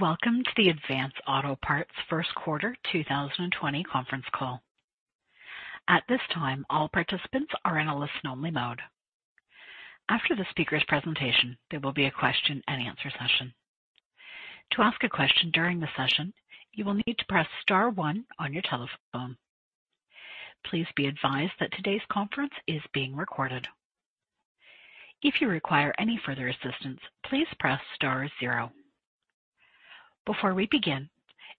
Welcome to the Advance Auto Parts first quarter 2020 conference call. At this time, all participants are in a listen only mode. After the speaker's presentation, there will be a question and answer session. To ask a question during the session, you will need to press star 1 on your telephone. Please be advised that today's conference is being recorded. If you require any further assistance, please press star 0. Before we begin,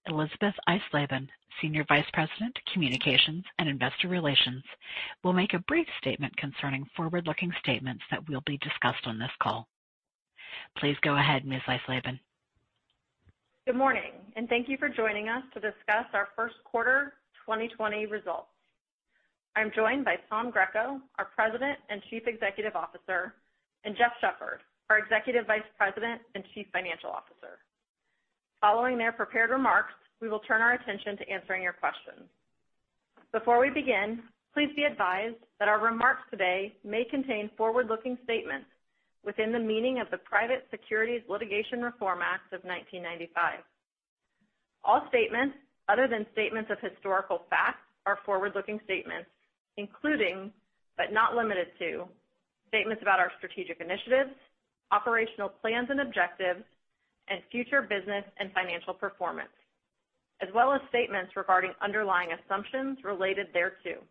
Elisabeth Eisleben, Senior Vice President, Communications and Investor Relations, will make a brief statement concerning forward-looking statements that will be discussed on this call. Please go ahead, Ms. Eisleben. Good morning, thank you for joining us to discuss our first quarter 2020 results. I'm joined by Tom Greco, our President and Chief Executive Officer, and Jeff Shepherd, our Executive Vice President and Chief Financial Officer. Following their prepared remarks, we will turn our attention to answering your questions. Before we begin, please be advised that our remarks today may contain forward-looking statements within the meaning of the Private Securities Litigation Reform Act of 1995. All statements, other than statements of historical facts, are forward-looking statements, including, but not limited to, statements about our strategic initiatives, operational plans and objectives, and future business and financial performance, as well as statements regarding underlying assumptions related thereto.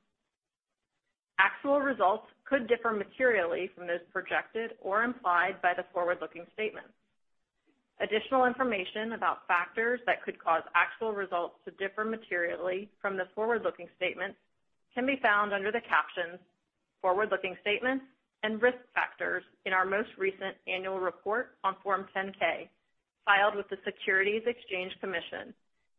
Actual results could differ materially from those projected or implied by the forward-looking statements. Additional information about factors that could cause actual results to differ materially from the forward-looking statements can be found under the captions "Forward-Looking Statements" and "Risk Factors" in our most recent annual report on Form 10-K, filed with the Securities and Exchange Commission,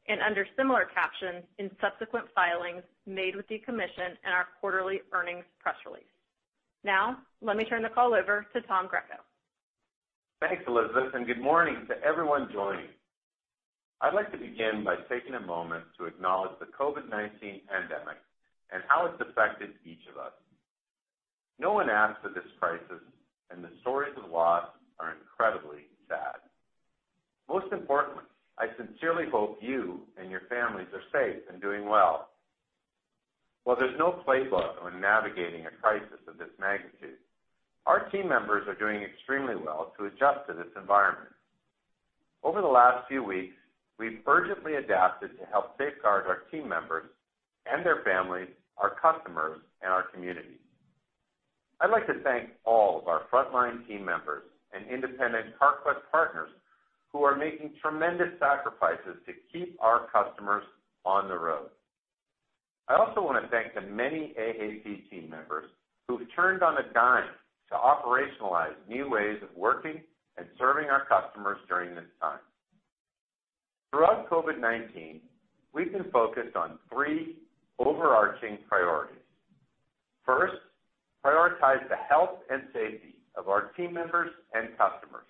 and under similar captions in subsequent filings made with the commission and our quarterly earnings press release. Let me turn the call over to Tom Greco. Thanks, Elisabeth, and good morning to everyone joining. I'd like to begin by taking a moment to acknowledge the COVID-19 pandemic and how it's affected each of us. No one asked for this crisis, and the stories of loss are incredibly sad. Most importantly, I sincerely hope you and your families are safe and doing well. While there's no playbook when navigating a crisis of this magnitude, our team members are doing extremely well to adjust to this environment. Over the last few weeks, we've urgently adapted to help safeguard our team members and their families, our customers, and our communities. I'd like to thank all of our frontline team members and independent Carquest partners who are making tremendous sacrifices to keep our customers on the road. I also want to thank the many AAP team members who have turned on a dime to operationalize new ways of working and serving our customers during this time. Throughout COVID-19, we've been focused on three overarching priorities. First, prioritize the health and safety of our team members and customers.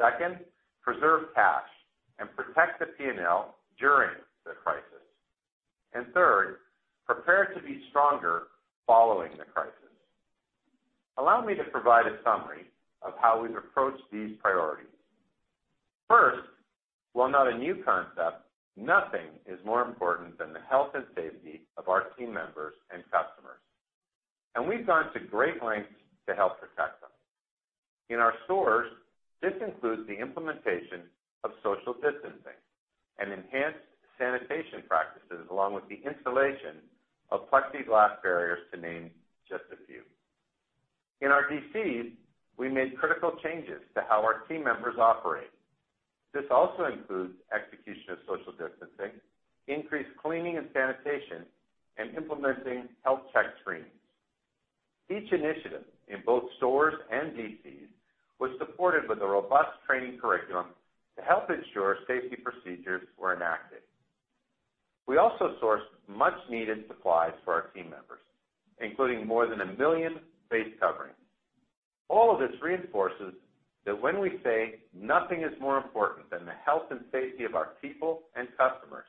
Second, preserve cash and protect the P&L during the crisis. Third, prepare to be stronger following the crisis. Allow me to provide a summary of how we've approached these priorities. First, while not a new concept, nothing is more important than the health and safety of our team members and customers, and we've gone to great lengths to help protect them. In our stores, this includes the implementation of social distancing and enhanced sanitation practices, along with the installation of plexiglass barriers, to name just a few. In our DCs, we made critical changes to how our team members operate. This also includes execution of social distancing, increased cleaning and sanitation, and implementing health check screenings. Each initiative in both stores and DCs was supported with a robust training curriculum to help ensure safety procedures were enacted. We also sourced much-needed supplies for our team members, including more than 1 million face coverings. All of this reinforces that when we say nothing is more important than the health and safety of our people and customers,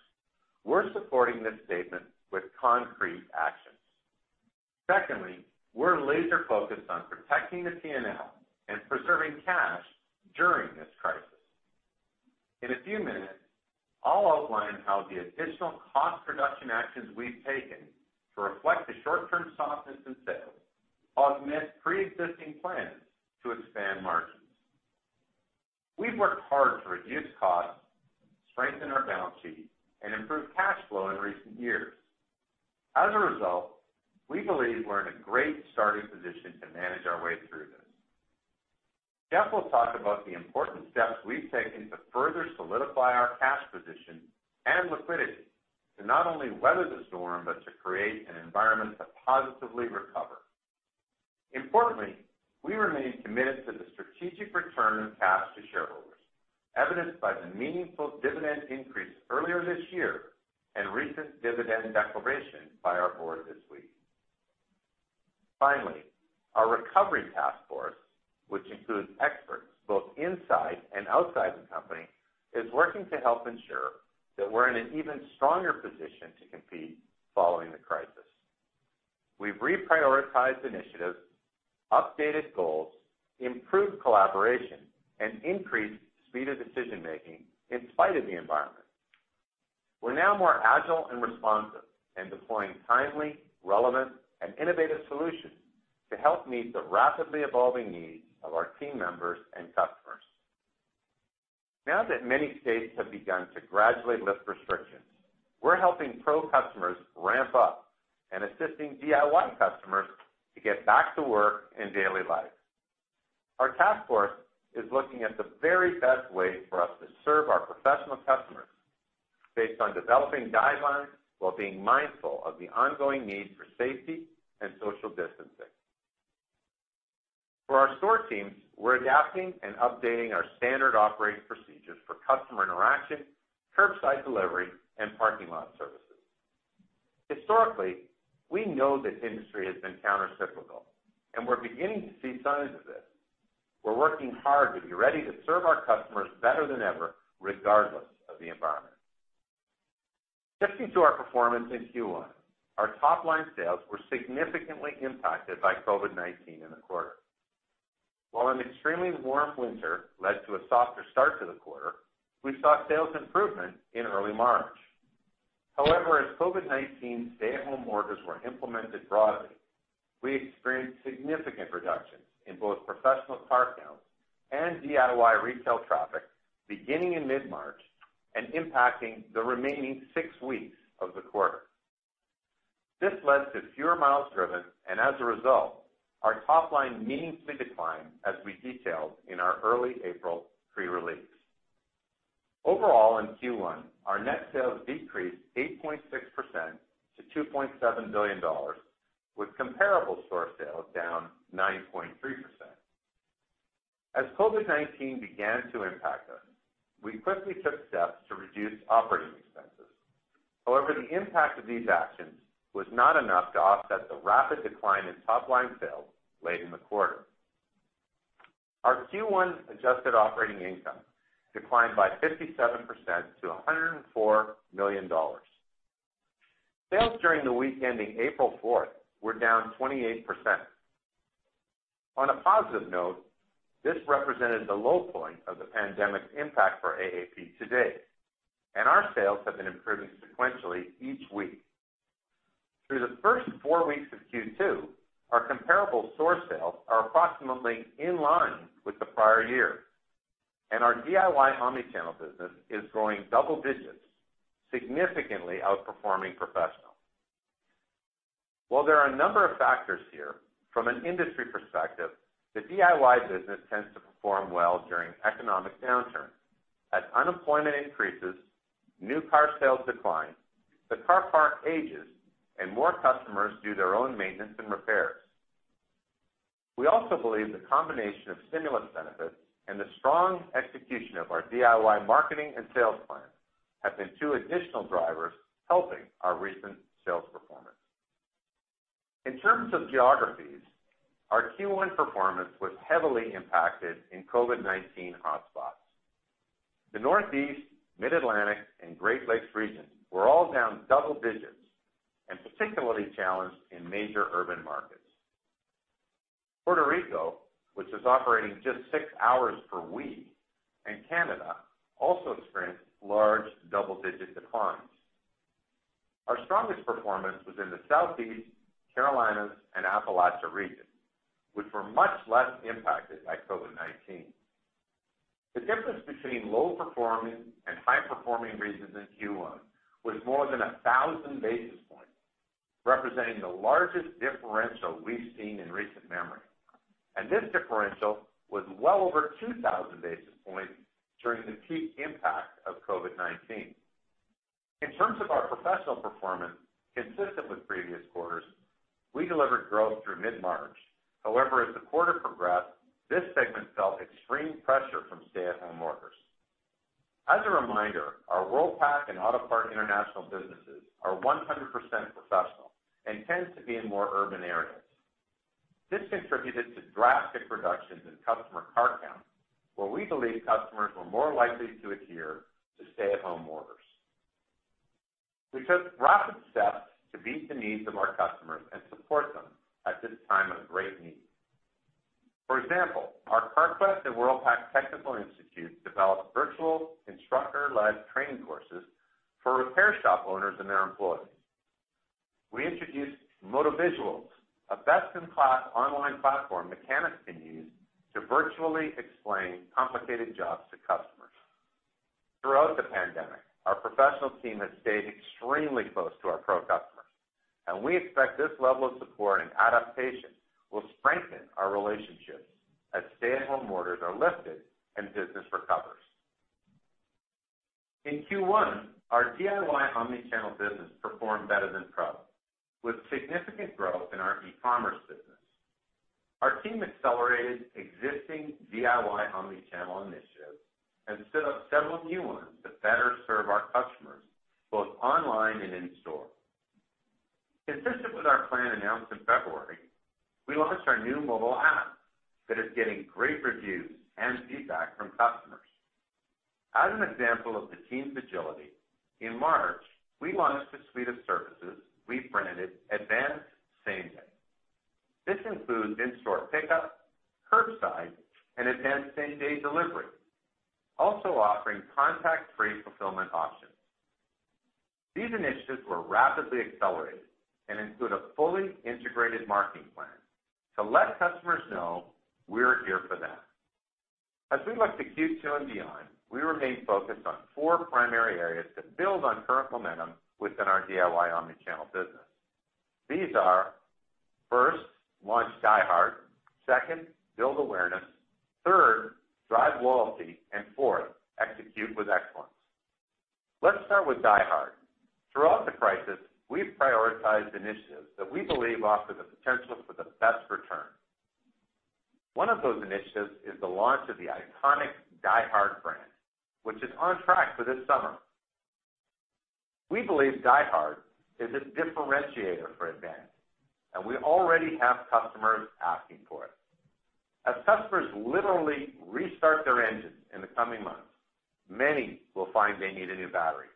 we're supporting this statement with concrete actions. Secondly, we're laser-focused on protecting the P&L and preserving cash during this crisis. In a few minutes, I'll outline how the additional cost reduction actions we've taken to reflect the short-term softness in sales augment preexisting plans to expand margins. We've worked hard to reduce costs, strengthen our balance sheet, and improve cash flow in recent years. As a result, we believe we're in a great starting position to manage our way through this. Jeff will talk about the important steps we've taken to further solidify our cash position and liquidity to not only weather the storm, but to create an environment to positively recover. Importantly, we remain committed to the strategic return of cash to shareholders, evidenced by the meaningful dividend increase earlier this year and recent dividend declaration by our board this week. Finally, our recovery task force, which includes experts both inside and outside the company, is working to help ensure that we're in an even stronger position to compete following the crisis. We've reprioritized initiatives, updated goals, improved collaboration, and increased speed of decision-making in spite of the environment. We're now more agile and responsive and deploying timely, relevant, and innovative solutions to help meet the rapidly evolving needs of our team members and customers. Now that many states have begun to gradually lift restrictions, we're helping pro customers ramp up and assisting DIY customers to get back to work and daily life. Our task force is looking at the very best way for us to serve our professional customers based on developing guidelines while being mindful of the ongoing need for safety and social distancing. For our store teams, we're adapting and updating our standard operating procedures for customer interaction, curbside delivery, and parking lot services. Historically, we know this industry has been counter-cyclical, and we're beginning to see signs of this. We're working hard to be ready to serve our customers better than ever, regardless of the environment. Shifting to our performance in Q1, our top-line sales were significantly impacted by COVID-19 in the quarter. While an extremely warm winter led to a softer start to the quarter, we saw sales improvement in early March. However, as COVID-19 stay-at-home orders were implemented broadly, we experienced significant reductions in both professional car count and DIY retail traffic beginning in mid-March and impacting the remaining six weeks of the quarter. This led to fewer miles driven, and as a result, our top line meaningfully declined, as we detailed in our early April pre-release. Overall, in Q1, our net sales decreased 8.6% to $2.7 billion, with comparable store sales down 9.3%. As COVID-19 began to impact us, we quickly took steps to reduce operating expenses. However, the impact of these actions was not enough to offset the rapid decline in top-line sales late in the quarter. Our Q1 adjusted operating income declined by 57% to $104 million. Sales during the week ending April 4th were down 28%. On a positive note, this represented the low point of the pandemic's impact for AAP to date, and our sales have been improving sequentially each week. Through the first four weeks of Q2, our comparable store sales are approximately in line with the prior year, and our DIY omni-channel business is growing double digits, significantly outperforming professional. While there are a number of factors here, from an industry perspective, the DIY business tends to perform well during economic downturns. As unemployment increases, new car sales decline, the car park ages, and more customers do their own maintenance and repairs. We also believe the combination of stimulus benefits and the strong execution of our DIY marketing and sales plan have been two additional drivers helping our recent sales performance. In terms of geographies, our Q1 performance was heavily impacted in COVID-19 hotspots. The Northeast, Mid-Atlantic, and Great Lakes regions were all down double digits and particularly challenged in major urban markets. Puerto Rico, which is operating just six hours per week, and Canada also experienced large double-digit declines. Our strongest performance was in the Southeast, Carolinas, and Appalachia regions, which were much less impacted by COVID-19. The difference between low-performing and high-performing regions in Q1 was more than 1,000 basis points, representing the largest differential we've seen in recent memory. This differential was well over 2,000 basis points during the peak impact of COVID-19. In terms of our professional performance, consistent with previous quarters, we delivered growth through mid-March. However, as the quarter progressed, this segment felt extreme pressure from stay-at-home orders. As a reminder, our Worldpac and Autopart International businesses are 100% professional and tend to be in more urban areas. This contributed to drastic reductions in customer car count, where we believe customers were more likely to adhere to stay-at-home orders. We took rapid steps to meet the needs of our customers and support them at this time of great need. For example, our Carquest and Worldpac Training Institute developed virtual instructor-led training courses for repair shop owners and their employees. We introduced MotoVisuals, a best-in-class online platform mechanics can use to virtually explain complicated jobs to customers. Throughout the pandemic, our professional team has stayed extremely close to our pro customers, and we expect this level of support and adaptation will strengthen our relationships as stay-at-home orders are lifted and business recovers. In Q1, our DIY omni-channel business performed better than pro, with significant growth in our e-commerce business. Our team accelerated existing DIY omni-channel initiatives and set up several new ones to better serve our customers both online and in-store. Consistent with our plan announced in February. We launched our new mobile app that is getting great reviews and feedback from customers. As an example of the team's agility, in March, we launched a suite of services we branded Advance Same Day. This includes in-store pickup, curbside, and Advance Same Day delivery, also offering contact-free fulfillment options. These initiatives were rapidly accelerated and include a fully integrated marketing plan to let customers know we're here for them. As we look to Q2 and beyond, we remain focused on four primary areas to build on current momentum within our DIY omni-channel business. These are, first, launch DieHard. Second, build awareness. Third, drive loyalty, and fourth, execute with excellence. Let's start with DieHard. Throughout the crisis, we've prioritized initiatives that we believe offer the potential for the best return. One of those initiatives is the launch of the iconic DieHard brand, which is on track for this summer. We believe DieHard is a differentiator for Advance, and we already have customers asking for it. As customers literally restart their engines in the coming months, many will find they need a new battery.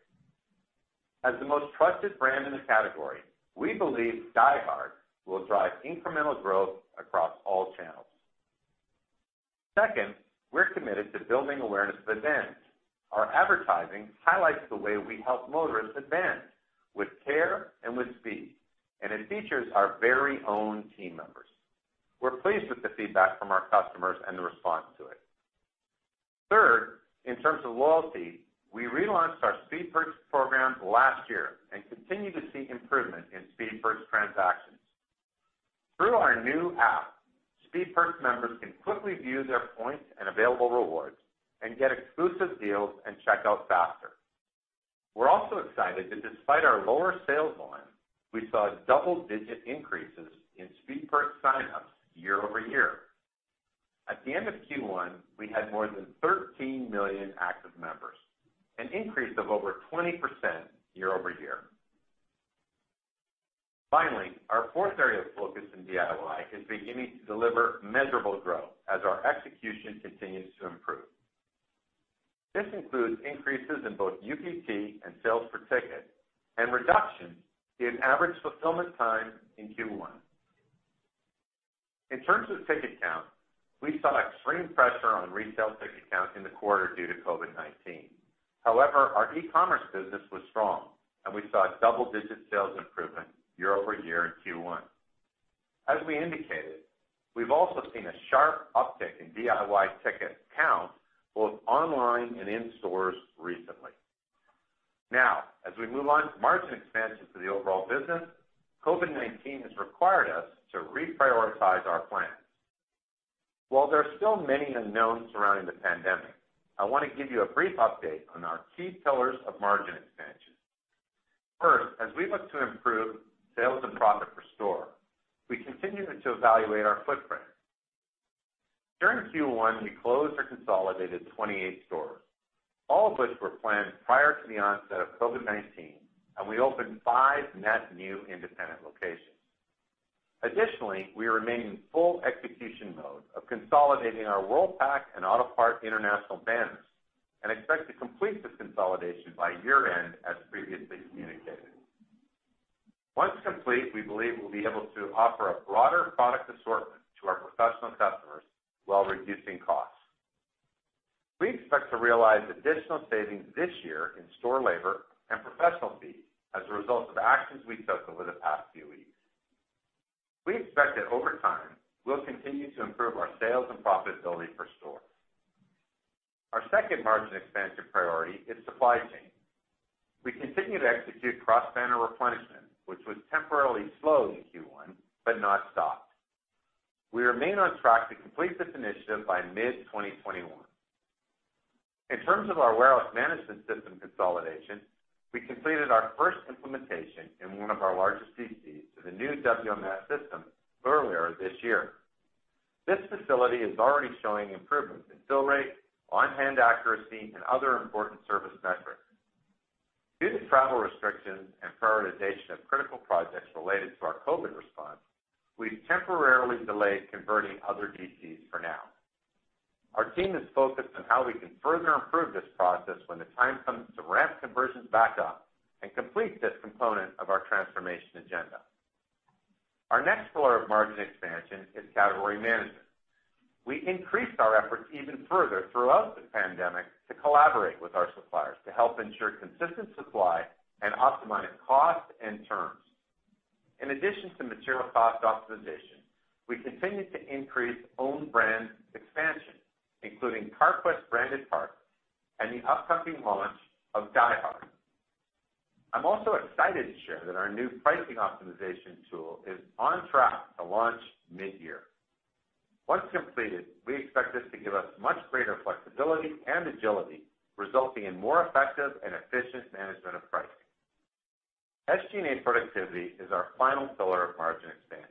As the most trusted brand in the category, we believe DieHard will drive incremental growth across all channels. Second, we're committed to building awareness of Advance. Our advertising highlights the way we help motorists advance with care and with speed, and it features our very own team members. We're pleased with the feedback from our customers and the response to it. Third, in terms of loyalty, we relaunched our Speed Perks program last year and continue to see improvement in Speed Perks transactions. Through our new app, Speed Perks members can quickly view their points and available rewards and get exclusive deals and check out faster. We're also excited that despite our lower sales volume, we saw double-digit increases in Speed Perks sign-ups year-over-year. At the end of Q1, we had more than 13 million active members, an increase of over 20% year-over-year. Finally, our fourth area of focus in DIY is beginning to deliver measurable growth as our execution continues to improve. This includes increases in both UPT and sales per ticket and reductions in average fulfillment time in Q1. In terms of ticket count, we saw extreme pressure on retail ticket count in the quarter due to COVID-19. Our e-commerce business was strong, and we saw double-digit sales improvement year-over-year in Q1. As we indicated, we've also seen a sharp uptick in DIY ticket count, both online and in stores recently. As we move on to margin expansion for the overall business, COVID-19 has required us to reprioritize our plans. While there are still many unknowns surrounding the pandemic, I want to give you a brief update on our key pillars of margin expansion. First, as we look to improve sales and profit per store, we continue to evaluate our footprint. During Q1, we closed or consolidated 28 stores, all of which were planned prior to the onset of COVID-19, and we opened five net new independent locations. We remain in full execution mode of consolidating our Worldpac and Autopart International banners and expect to complete this consolidation by year-end, as previously communicated. Once complete, we believe we'll be able to offer a broader product assortment to our professional customers while reducing costs. We expect to realize additional savings this year in store labor and professional fees as a result of actions we took over the past few weeks. We expect that over time, we'll continue to improve our sales and profitability per store. Our second margin expansion priority is supply chain. We continue to execute cross-banner replenishment, which was temporarily slowed in Q1 but not stopped. We remain on track to complete this initiative by mid-2021. In terms of our warehouse management system consolidation, we completed our first implementation in one of our largest DCs to the new WMS system earlier this year. This facility is already showing improvements in fill rate, on-hand accuracy, and other important service metrics. Due to travel restrictions and prioritization of critical projects related to our COVID response, we've temporarily delayed converting other DCs for now. Our team is focused on how we can further improve this process when the time comes to ramp conversions back up and complete this component of our transformation agenda. Our next pillar of margin expansion is category management. We increased our efforts even further throughout the pandemic to collaborate with our suppliers to help ensure consistent supply and optimized costs and terms. In addition to material cost optimization, we continue to increase own brand expansion, including Carquest branded parts and the upcoming launch of DieHard. I'm also excited to share that our new pricing optimization tool is on track to launch mid-year. Once completed, we expect this to give us much greater flexibility and agility, resulting in more effective and efficient management of pricing. SG&A productivity is our final pillar of margin expansion.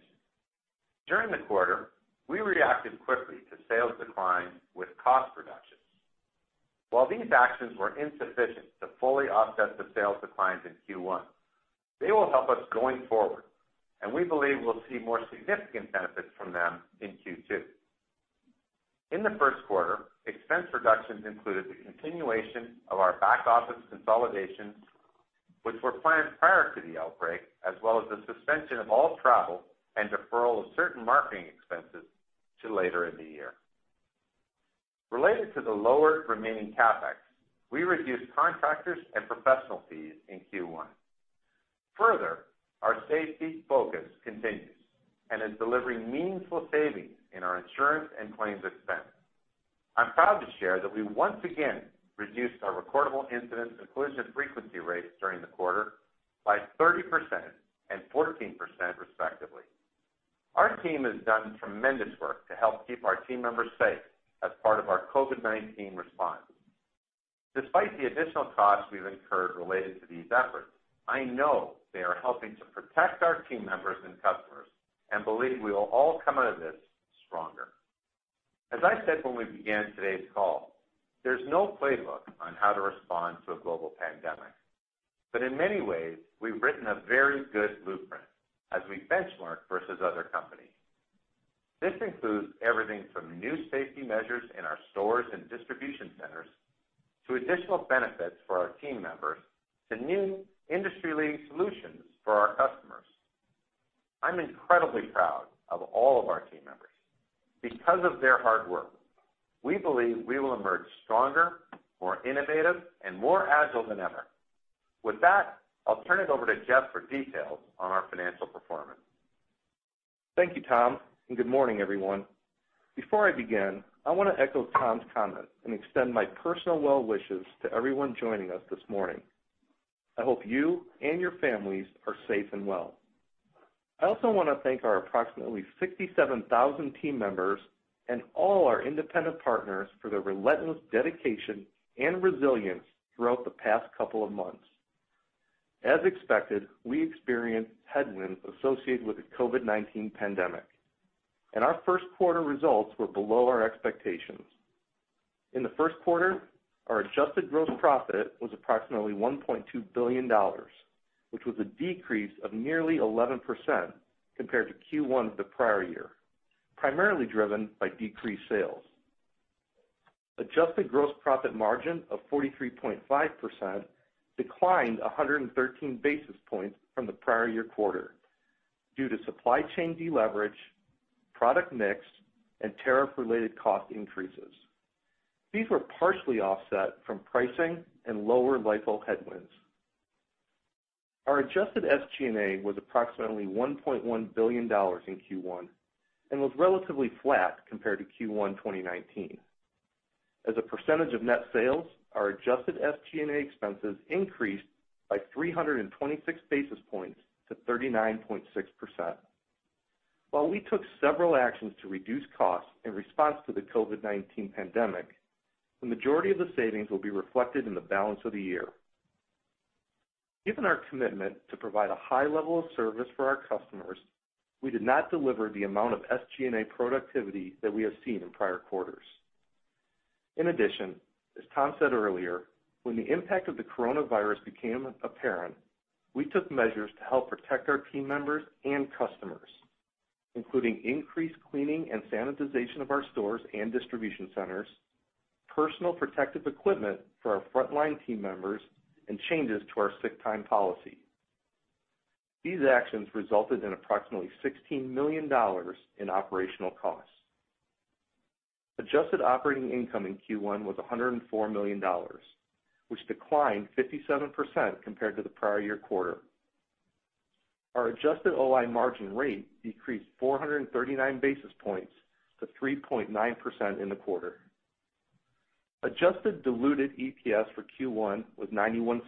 During the quarter, we reacted quickly to sales decline with cost reduction. While these actions were insufficient to fully offset the sales declines in Q1, they will help us going forward, and we believe we'll see more significant benefits from them in Q2. In the first quarter, expense reductions included the continuation of our back-office consolidations, which were planned prior to the outbreak, as well as the suspension of all travel and deferral of certain marketing expenses to later in the year. Related to the lower remaining CapEx, we reduced contractors and professional fees in Q1. Further, our safety focus continues and is delivering meaningful savings in our insurance and claims expense. I'm proud to share that I once again reduced our recordable incidents and collision frequency rates during the quarter by 30% and 14%, respectively. Our team has done tremendous work to help keep our team members safe as part of our COVID-19 response. Despite the additional costs we've incurred related to these efforts, I know they are helping to protect our team members and customers and believe we will all come out of this stronger. As I said when we began today's call, there's no playbook on how to respond to a global pandemic. But in many ways, we've written a very good blueprint as we benchmark versus other companies. This includes everything from new safety measures in our stores and distribution centers, to additional benefits for our team members, to new industry-leading solutions for our customers. I'm incredibly proud of all of our team members. Because of their hard work, we believe we will emerge stronger, more innovative, and more agile than ever. With that, I'll turn it over to Jeff for details on our financial performance. Thank you, Tom, and good morning, everyone. Before I begin, I want to echo Tom's comments and extend my personal well wishes to everyone joining us this morning. I hope you and your families are safe and well. I also want to thank our approximately 67,000 team members and all our independent partners for their relentless dedication and resilience throughout the past couple of months. As expected, we experienced headwinds associated with the COVID-19 pandemic, and our first quarter results were below our expectations. In the first quarter, our adjusted gross profit was approximately $1.2 billion, which was a decrease of nearly 11% compared to Q1 of the prior year, primarily driven by decreased sales. Adjusted gross profit margin of 43.5% declined 113 basis points from the prior year quarter due to supply chain deleverage, product mix, and tariff-related cost increases. These were partially offset from pricing and lower LIFO headwinds. Our adjusted SG&A was approximately $1.1 billion in Q1 and was relatively flat compared to Q1 2019. As a percentage of net sales, our adjusted SG&A expenses increased by 326 basis points to 39.6%. While we took several actions to reduce costs in response to the COVID-19 pandemic, the majority of the savings will be reflected in the balance of the year. Given our commitment to provide a high level of service for our customers, we did not deliver the amount of SG&A productivity that we have seen in prior quarters. In addition, as Tom said earlier, when the impact of the coronavirus became apparent, we took measures to help protect our team members and customers, including increased cleaning and sanitization of our stores and distribution centers, personal protective equipment for our frontline team members, and changes to our sick time policy. These actions resulted in approximately $16 million in operational costs. Adjusted operating income in Q1 was $104 million, which declined 57% compared to the prior year quarter. Our adjusted OI margin rate decreased 439 basis points to 3.9% in the quarter. Adjusted diluted EPS for Q1 was $0.91,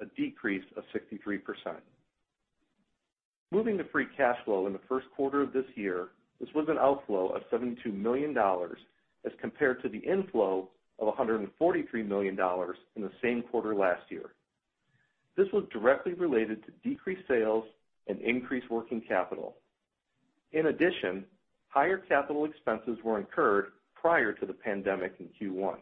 a decrease of 63%. Moving to free cash flow in the first quarter of this year, this was an outflow of $72 million as compared to the inflow of $143 million in the same quarter last year. This was directly related to decreased sales and increased working capital. Higher capital expenses were incurred prior to the pandemic in Q1.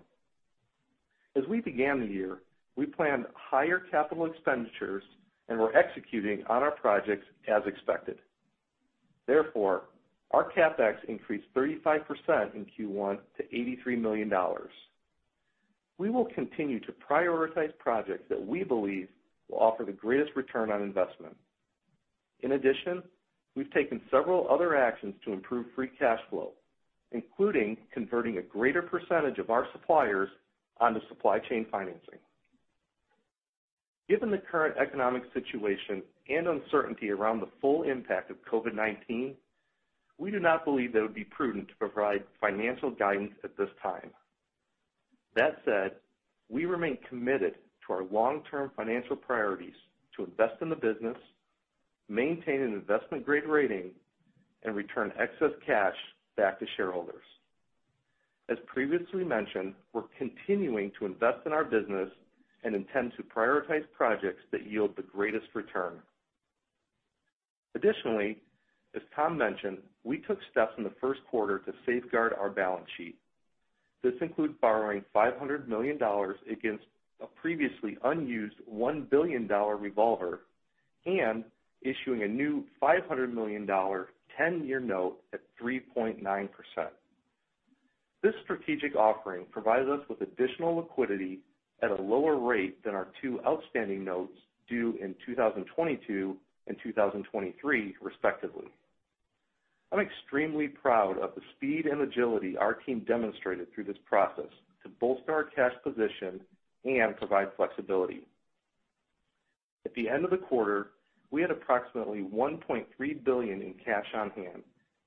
As we began the year, we planned higher capital expenditures and were executing on our projects as expected. Therefore, our CapEx increased 35% in Q1 to $83 million. We will continue to prioritize projects that we believe will offer the greatest return on investment. In addition, we've taken several other actions to improve free cash flow, including converting a greater percentage of our suppliers onto supply chain financing. Given the current economic situation and uncertainty around the full impact of COVID-19, we do not believe that it would be prudent to provide financial guidance at this time. That said, we remain committed to our long-term financial priorities to invest in the business, maintain an investment-grade rating, and return excess cash back to shareholders. As previously mentioned, we're continuing to invest in our business and intend to prioritize projects that yield the greatest return. Additionally, as Tom mentioned, we took steps in the first quarter to safeguard our balance sheet. This includes borrowing $500 million against a previously unused $1 billion revolver and issuing a new $500 million 10-year note at 3.9%. This strategic offering provides us with additional liquidity at a lower rate than our two outstanding notes due in 2022 and 2023, respectively. I'm extremely proud of the speed and agility our team demonstrated through this process to bolster our cash position and provide flexibility. At the end of the quarter, we had approximately $1.3 billion in cash on hand,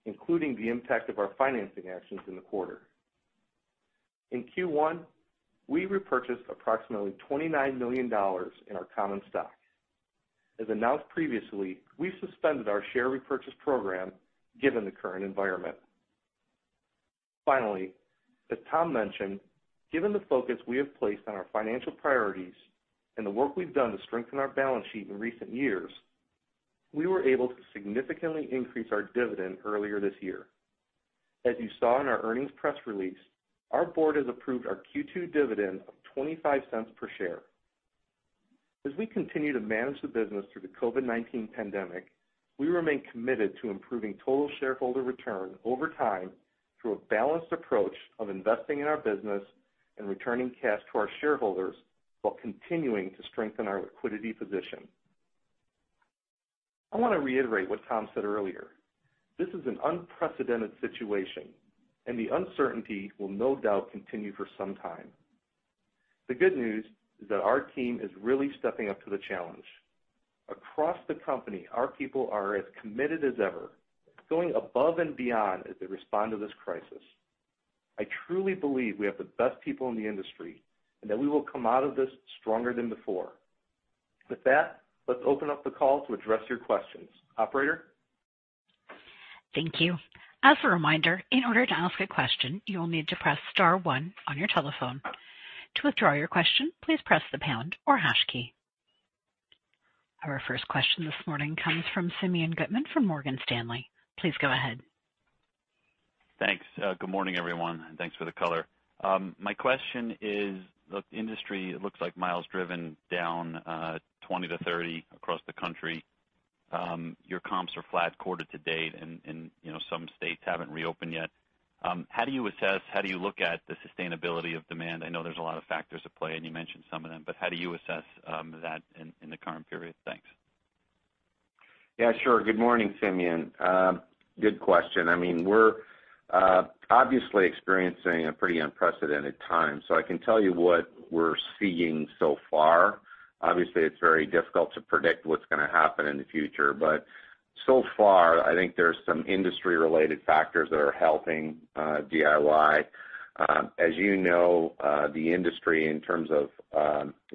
including the impact of our financing actions in the quarter. In Q1, we repurchased approximately $29 million in our common stock. As announced previously, we suspended our share repurchase program given the current environment. Finally, as Tom mentioned, given the focus we have placed on our financial priorities and the work we've done to strengthen our balance sheet in recent years, we were able to significantly increase our dividend earlier this year. As you saw in our earnings press release, our board has approved our Q2 dividend of $0.25 per share. As we continue to manage the business through the COVID-19 pandemic, we remain committed to improving total shareholder return over time through a balanced approach of investing in our business and returning cash to our shareholders while continuing to strengthen our liquidity position. I want to reiterate what Tom said earlier. This is an unprecedented situation, and the uncertainty will no doubt continue for some time. The good news is that our team is really stepping up to the challenge. Across the company, our people are as committed as ever, going above and beyond as they respond to this crisis. I truly believe we have the best people in the industry, and that we will come out of this stronger than before. With that, let's open up the call to address your questions. Operator? Thank you. As a reminder, in order to ask a question, you will need to press star one on your telephone. To withdraw your question, please press the pound or hash key. Our first question this morning comes from Simeon Gutman from Morgan Stanley. Please go ahead. Thanks. Good morning, everyone, and thanks for the color. My question is, the industry looks like miles driven down 20%-30% across the country. Your comps are flat quarter-to-date and some states haven't reopened yet. How do you assess, how do you look at the sustainability of demand? I know there's a lot of factors at play, and you mentioned some of them, but how do you assess that in the current period? Thanks. Good morning, Simeon. Good question. We're obviously experiencing a pretty unprecedented time, so I can tell you what we're seeing so far. Obviously, it's very difficult to predict what's going to happen in the future, but so far, I think there's some industry-related factors that are helping DIY. As you know, the industry in terms of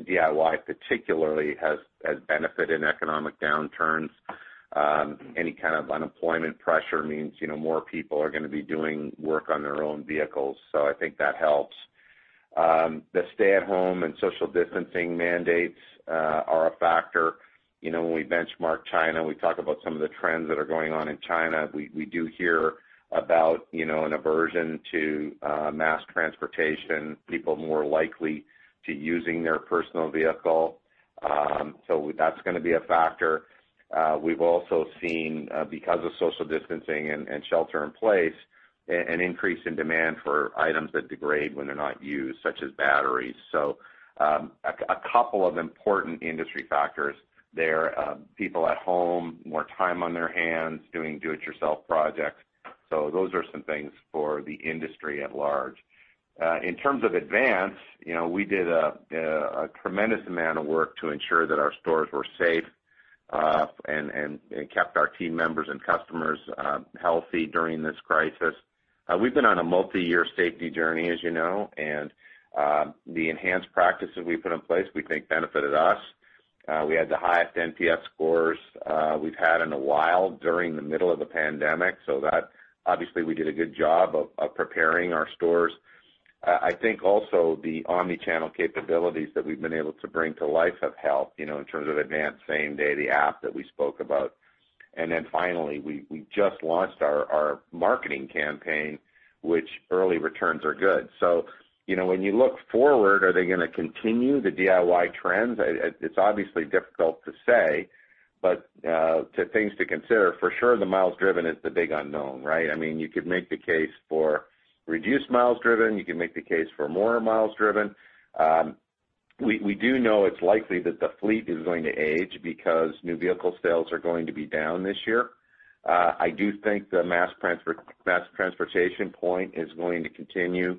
DIY particularly has benefited in economic downturns. Any kind of unemployment pressure means more people are going to be doing work on their own vehicles. I think that helps. The stay-at-home and social distancing mandates are a factor. When we benchmark China, we talk about some of the trends that are going on in China. We do hear about an aversion to mass transportation, people more likely to using their personal vehicle. That's going to be a factor. We've also seen, because of social distancing and shelter in place, an increase in demand for items that degrade when they're not used, such as batteries. A couple of important industry factors there. People at home, more time on their hands doing do-it-yourself projects. Those are some things for the industry at large. In terms of Advance, we did a tremendous amount of work to ensure that our stores were safe and kept our team members and customers healthy during this crisis. We've been on a multi-year safety journey, as you know, and the enhanced practices we put in place, we think benefited us. We had the highest NPS scores we've had in a while during the middle of the pandemic, so obviously we did a good job of preparing our stores. I think also the omni-channel capabilities that we've been able to bring to life have helped, in terms of Advance Same Day, the app that we spoke about. Finally, we just launched our marketing campaign, which early returns are good. When you look forward, are they going to continue the DIY trends? It's obviously difficult to say, but two things to consider, for sure the miles driven is the big unknown, right? You could make the case for reduced miles driven, you could make the case for more miles driven. We do know it's likely that the fleet is going to age because new vehicle sales are going to be down this year. I do think the mass transportation point is going to continue.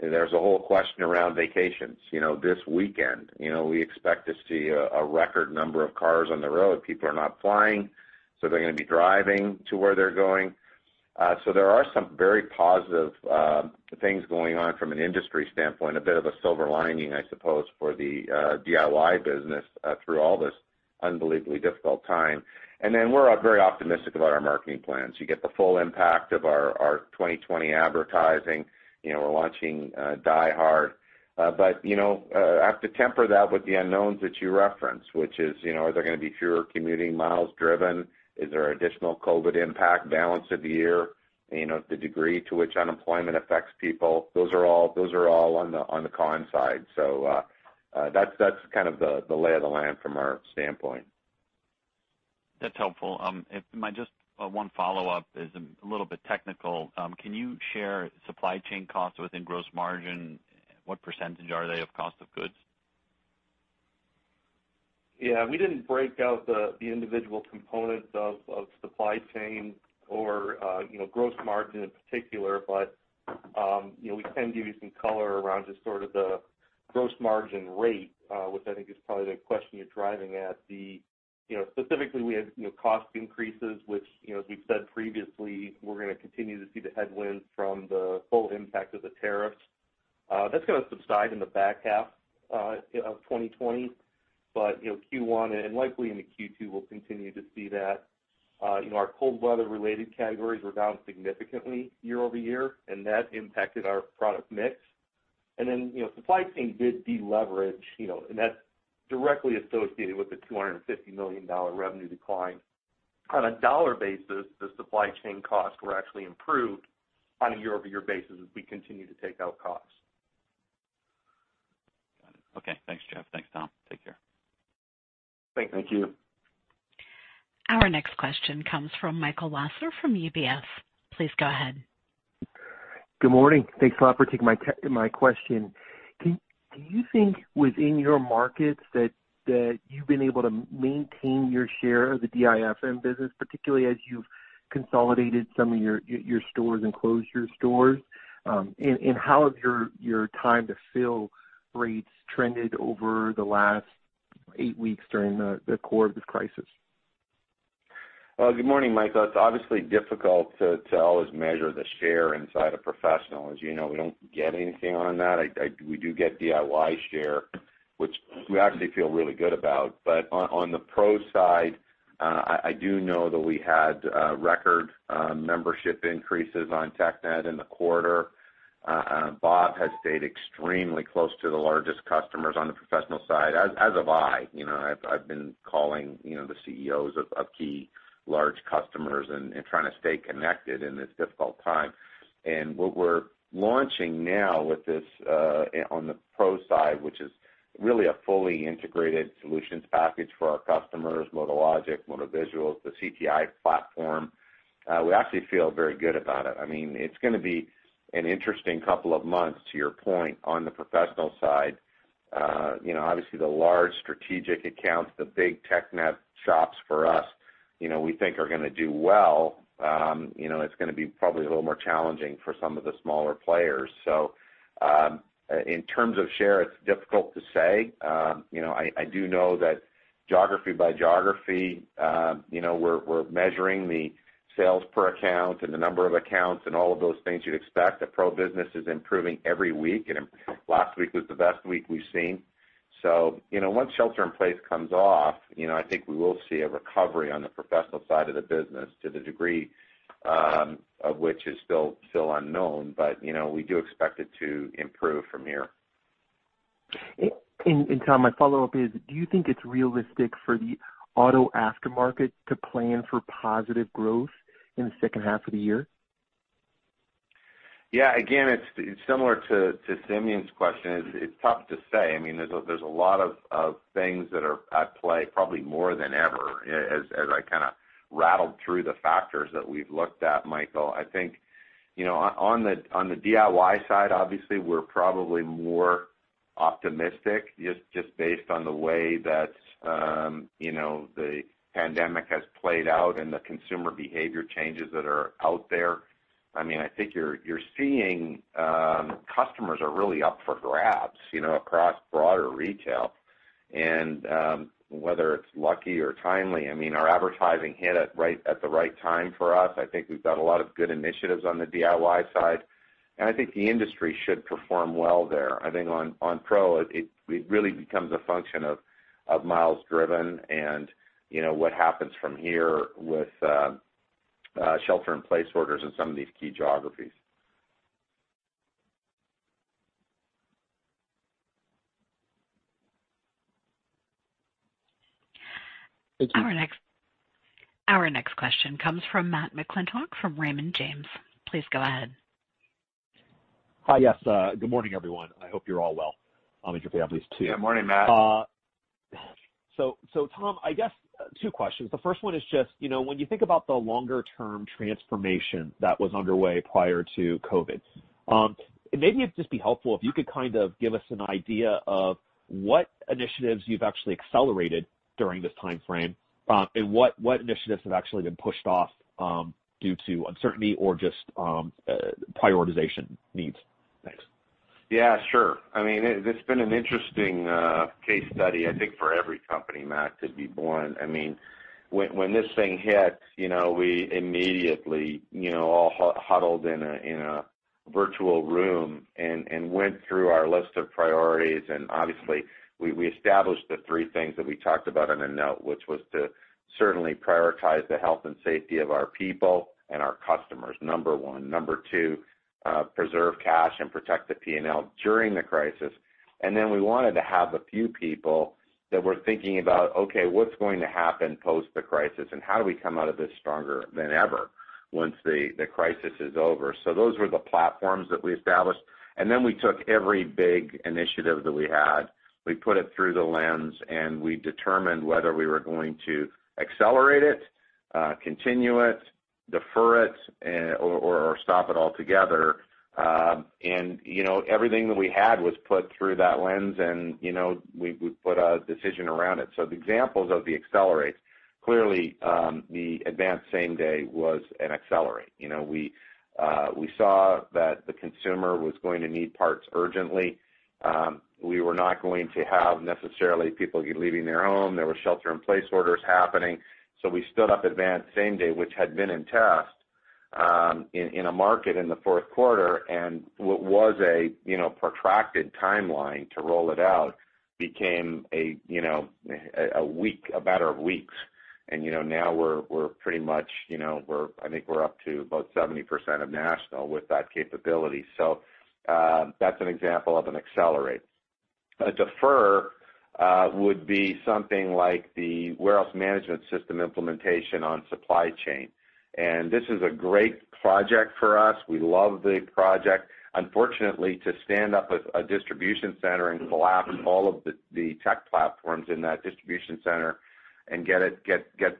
There's a whole question around vacations. This weekend, we expect to see a record number of cars on the road. People are not flying, they're going to be driving to where they're going. There are some very positive things going on from an industry standpoint, a bit of a silver lining, I suppose, for the DIY business through all this. Unbelievably difficult time. We're very optimistic about our marketing plans. You get the full impact of our 2020 advertising. We're launching DieHard. I have to temper that with the unknowns that you referenced, which is, are there going to be fewer commuting miles driven? Is there additional COVID impact balance of the year? The degree to which unemployment affects people, those are all on the con side. That's kind of the lay of the land from our standpoint. That's helpful. If I might just, one follow-up is a little bit technical. Can you share supply chain costs within gross margin? What percentage are they of cost of goods? Yeah. We didn't break out the individual components of supply chain or gross margin in particular. We can give you some color around just sort of the gross margin rate, which I think is probably the question you're driving at. Specifically, we had cost increases, which, as we've said previously, we're going to continue to see the headwind from the full impact of the tariffs. That's going to subside in the back half of 2020. Q1 and likely into Q2, we'll continue to see that. Our cold weather related categories were down significantly year-over-year, and that impacted our product mix. Supply chain did de-leverage, and that's directly associated with the $250 million revenue decline. On a dollar basis, the supply chain costs were actually improved on a year-over-year basis as we continue to take out costs. Got it. Okay. Thanks, Jeff. Thanks, Tom. Take care. Thank you. Thank you. Our next question comes from Michael Lasser from UBS. Please go ahead. Good morning. Thanks a lot for taking my question. Do you think within your markets that you've been able to maintain your share of the DIFM business, particularly as you've consolidated some of your stores and closed your stores? How have your time to fill rates trended over the last eight weeks during the core of this crisis? Well, good morning, Michael. It's obviously difficult to always measure the share inside a professional. As you know, we don't get anything on that. We do get DIY share, which we actually feel really good about. On the pro side, I do know that we had record membership increases on TechNet in the quarter. Bob has stayed extremely close to the largest customers on the professional side, as have I. I've been calling the CEOs of key large customers and trying to stay connected in this difficult time. What we're launching now with this on the pro side, which is really a fully integrated solutions package for our customers, MotoLogic, MotoVisuals, the CTI platform, we actually feel very good about it. It's going to be an interesting couple of months, to your point, on the professional side. Obviously, the large strategic accounts, the big TechNet shops for us, we think are going to do well. It's going to be probably a little more challenging for some of the smaller players. In terms of share, it's difficult to say. I do know that geography by geography, we're measuring the sales per account and the number of accounts and all of those things you'd expect. The pro business is improving every week, and last week was the best week we've seen. Once shelter in place comes off, I think we will see a recovery on the professional side of the business to the degree of which is still unknown, but we do expect it to improve from here. Tom, my follow-up is, do you think it's realistic for the auto aftermarket to plan for positive growth in the second half of the year? Yeah. Again, it's similar to Simeon's question. It's tough to say. There's a lot of things that are at play, probably more than ever, as I kind of rattled through the factors that we've looked at, Michael. I think, on the DIY side, obviously, we're probably more optimistic just based on the way that the pandemic has played out and the consumer behavior changes that are out there. I think you're seeing customers are really up for grabs across broader retail, and whether it's lucky or timely, our advertising hit it right at the right time for us. I think we've got a lot of good initiatives on the DIY side, and I think the industry should perform well there. I think on pro, it really becomes a function of miles driven and what happens from here with shelter in place orders in some of these key geographies. Thank you. Our next question comes from Matthew McClintock from Raymond James. Please go ahead. Hi. Yes. Good morning, everyone. I hope you're all well, and your families, too. Good morning, Matt. Tom, I guess two questions. The first one is just, when you think about the longer-term transformation that was underway prior to COVID-19, maybe it'd just be helpful if you could kind of give us an idea of what initiatives you've actually accelerated during this timeframe, and what initiatives have actually been pushed off, due to uncertainty or just prioritization needs. Thanks. Yeah, sure. It's been an interesting case study, I think for every company, Matt, to be blunt. When this thing hit, we immediately all huddled in a virtual room and went through our list of priorities. Obviously, we established the three things that we talked about in the note, which was to certainly prioritize the health and safety of our people and our customers, number 1. Number 2, preserve cash and protect the P&L during the crisis. Then we wanted to have a few people that were thinking about, okay, what's going to happen post the crisis, and how do we come out of this stronger than ever once the crisis is over? Those were the platforms that we established. Then we took every big initiative that we had. We put it through the lens, we determined whether we were going to accelerate it, continue it, defer it, or stop it altogether. Everything that we had was put through that lens, and we put a decision around it. The examples of the accelerates, clearly, the Advance Same Day was an accelerate. We saw that the consumer was going to need parts urgently. We were not going to have necessarily people leaving their home. There were shelter-in-place orders happening. We stood up Advance Same Day, which had been in test, in a market in the fourth quarter. What was a protracted timeline to roll it out became a matter of weeks. Now I think we're up to about 70% of national with that capability. That's an example of an accelerate. A defer would be something like the warehouse management system implementation on supply chain. This is a great project for us. We love the project. Unfortunately, to stand up a distribution center and collapse all of the tech platforms in that distribution center and get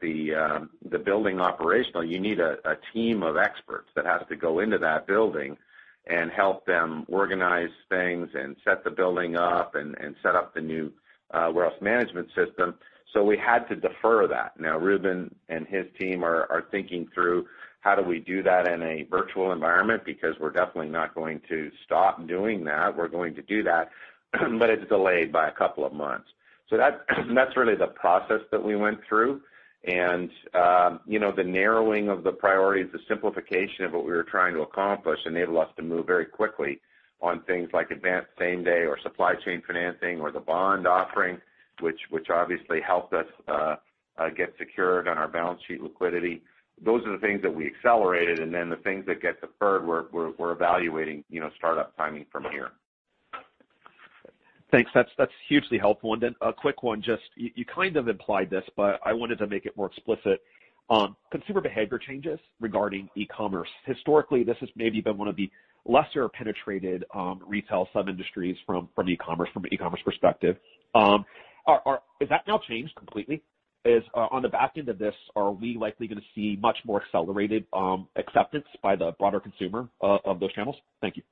the building operational, you need a team of experts that has to go into that building and help them organize things and set the building up and set up the new warehouse management system. We had to defer that. Now, Reuben and his team are thinking through how do we do that in a virtual environment, because we're definitely not going to stop doing that. We're going to do that, but it's delayed by a couple of months. That's really the process that we went through. The narrowing of the priorities, the simplification of what we were trying to accomplish enabled us to move very quickly on things like Advance Same Day or supply chain financing or the bond offering, which obviously helped us get secured on our balance sheet liquidity. Those are the things that we accelerated, and then the things that get deferred, we're evaluating startup timing from here. Thanks. That's hugely helpful. A quick one, just you kind of implied this, but I wanted to make it more explicit. Consumer behavior changes regarding e-commerce. Historically, this has maybe been one of the lesser penetrated retail sub-industries from an e-commerce perspective. Has that now changed completely? On the back end of this, are we likely going to see much more accelerated acceptance by the broader consumer of those channels? Thank you.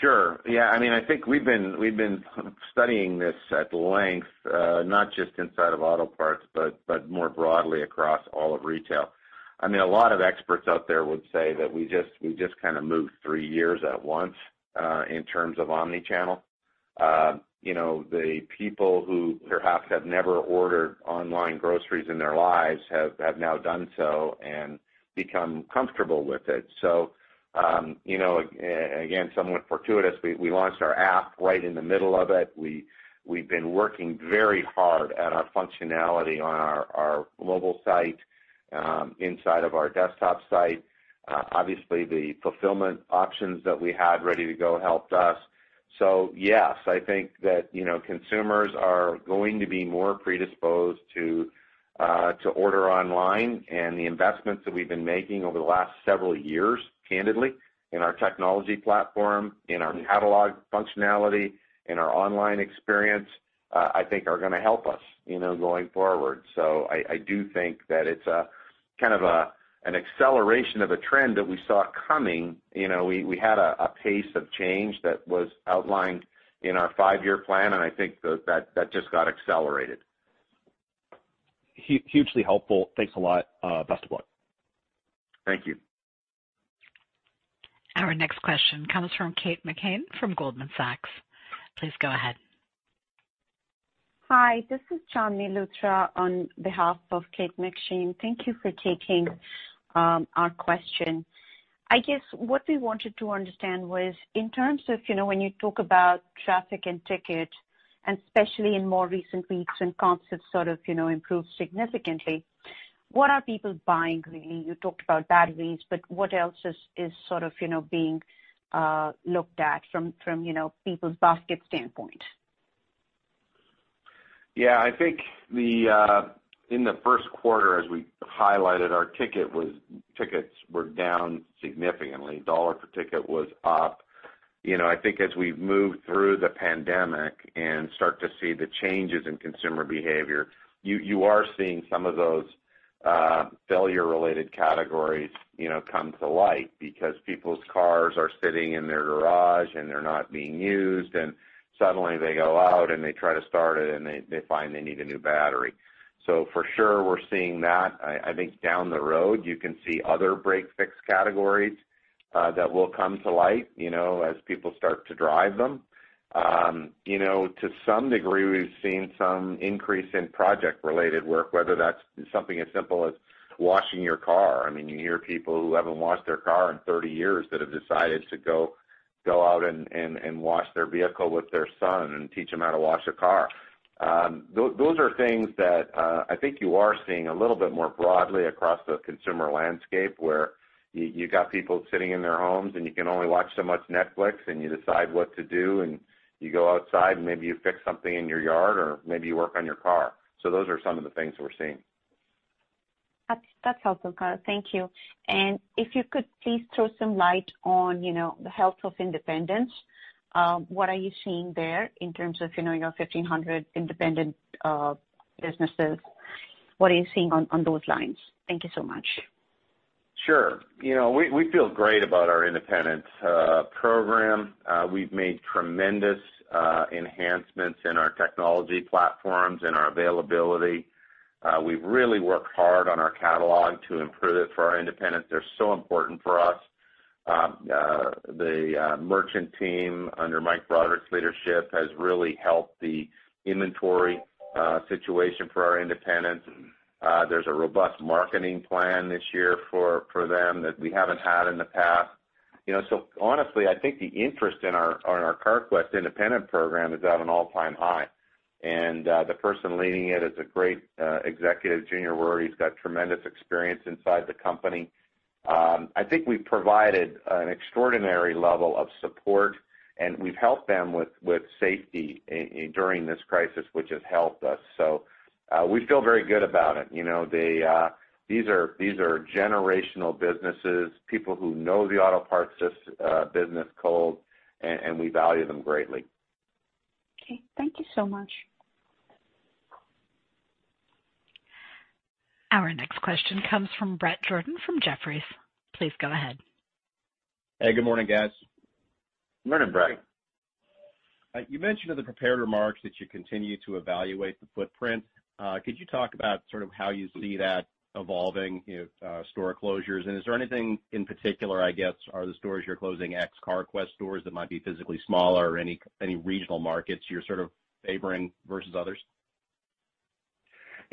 Sure. Yeah, I think we've been studying this at length, not just inside of auto parts, but more broadly across all of retail. A lot of experts out there would say that we just kind of moved three years at once, in terms of omni-channel. The people who perhaps have never ordered online groceries in their lives have now done so and become comfortable with it. Again, somewhat fortuitous, we launched our app right in the middle of it. We've been working very hard at our functionality on our mobile site, inside of our desktop site. Obviously, the fulfillment options that we had ready to go helped us. Yes, I think that consumers are going to be more predisposed to order online, and the investments that we've been making over the last several years, candidly, in our technology platform, in our catalog functionality, in our online experience, I think are going to help us going forward. I do think that it's kind of an acceleration of a trend that we saw coming. We had a pace of change that was outlined in our five-year plan, and I think that just got accelerated. Hugely helpful. Thanks a lot. Best of luck. Thank you. Our next question comes from Kate McShane from Goldman Sachs. Please go ahead. Hi, this is Chandni Luthra on behalf of Kate McShane. Thank you for taking our question. I guess what we wanted to understand was in terms of when you talk about traffic and ticket, and especially in more recent weeks when conditions sort of improved significantly, what are people buying really? You talked about batteries, but what else is sort of being looked at from people's basket standpoint? I think in the first quarter, as we highlighted, our tickets were down significantly. $ per ticket was up. I think as we've moved through the pandemic and start to see the changes in consumer behavior, you are seeing some of those failure-related categories come to light because people's cars are sitting in their garage, and they're not being used, and suddenly they go out and they try to start it, and they find they need a new battery. For sure, we're seeing that. I think down the road, you can see other break-fix categories that will come to light as people start to drive them. To some degree, we've seen some increase in project-related work, whether that's something as simple as washing your car. You hear people who haven't washed their car in 30 years that have decided to go out and wash their vehicle with their son and teach them how to wash a car. Those are things that I think you are seeing a little bit more broadly across the consumer landscape, where you got people sitting in their homes and you can only watch so much Netflix, and you decide what to do, and you go outside and maybe you fix something in your yard or maybe you work on your car. Those are some of the things that we're seeing. That's helpful, Carl. Thank you. If you could please throw some light on the health of independents. What are you seeing there in terms of your 1,500 independent businesses? What are you seeing on those lines? Thank you so much. Sure. We feel great about our independents program. We've made tremendous enhancements in our technology platforms and our availability. We've really worked hard on our catalog to improve it for our independents. They're so important for us. The merchant team under Mike Broderick's leadership has really helped the inventory situation for our independents. There's a robust marketing plan this year for them that we haven't had in the past. Honestly, I think the interest in our Carquest independent program is at an all-time high, and the person leading it is a great executive, Junior Roary. He's got tremendous experience inside the company. I think we've provided an extraordinary level of support, and we've helped them with safety during this crisis, which has helped us. We feel very good about it. These are generational businesses, people who know the auto parts business cold, and we value them greatly. Okay. Thank you so much. Our next question comes from Bret Jordan from Jefferies. Please go ahead. Hey, good morning, guys. Morning, Bret. You mentioned in the prepared remarks that you continue to evaluate the footprint. Could you talk about sort of how you see that evolving, store closures? Is there anything in particular, I guess, are the stores you're closing ex Carquest stores that might be physically smaller or any regional markets you're sort of favoring versus others? Yeah,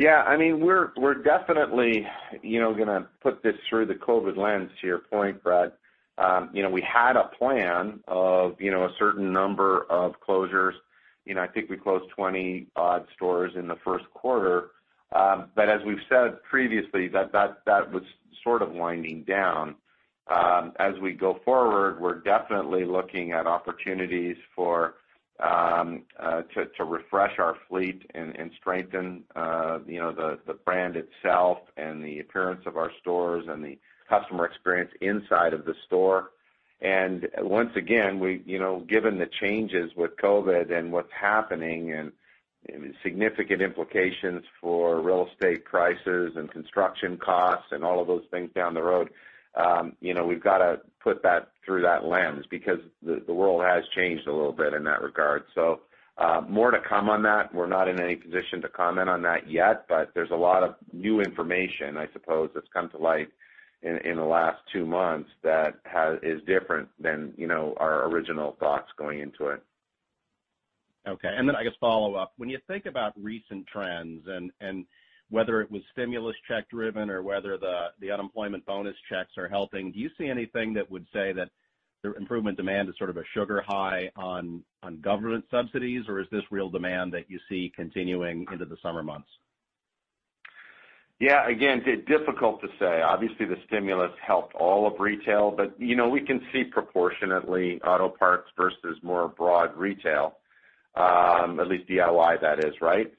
we're definitely going to put this through the COVID lens, to your point, Bret. We had a plan of a certain number of closures. I think we closed 20-odd stores in the first quarter. As we've said previously, that was sort of winding down. As we go forward, we're definitely looking at opportunities to refresh our fleet and strengthen the brand itself and the appearance of our stores and the customer experience inside of the store. Once again, given the changes with COVID and what's happening and significant implications for real estate prices and construction costs and all of those things down the road, we've got to put that through that lens because the world has changed a little bit in that regard. More to come on that. We're not in any position to comment on that yet, but there's a lot of new information, I suppose, that's come to light in the last two months that is different than our original thoughts going into it. Okay. I guess follow up, when you think about recent trends and whether it was stimulus check driven or whether the unemployment bonus checks are helping, do you see anything that would say that the improvement demand is sort of a sugar high on government subsidies, or is this real demand that you see continuing into the summer months? Again, difficult to say. Obviously, the stimulus helped all of retail, but we can see proportionately auto parts versus more broad retail, at least DIY that is, right?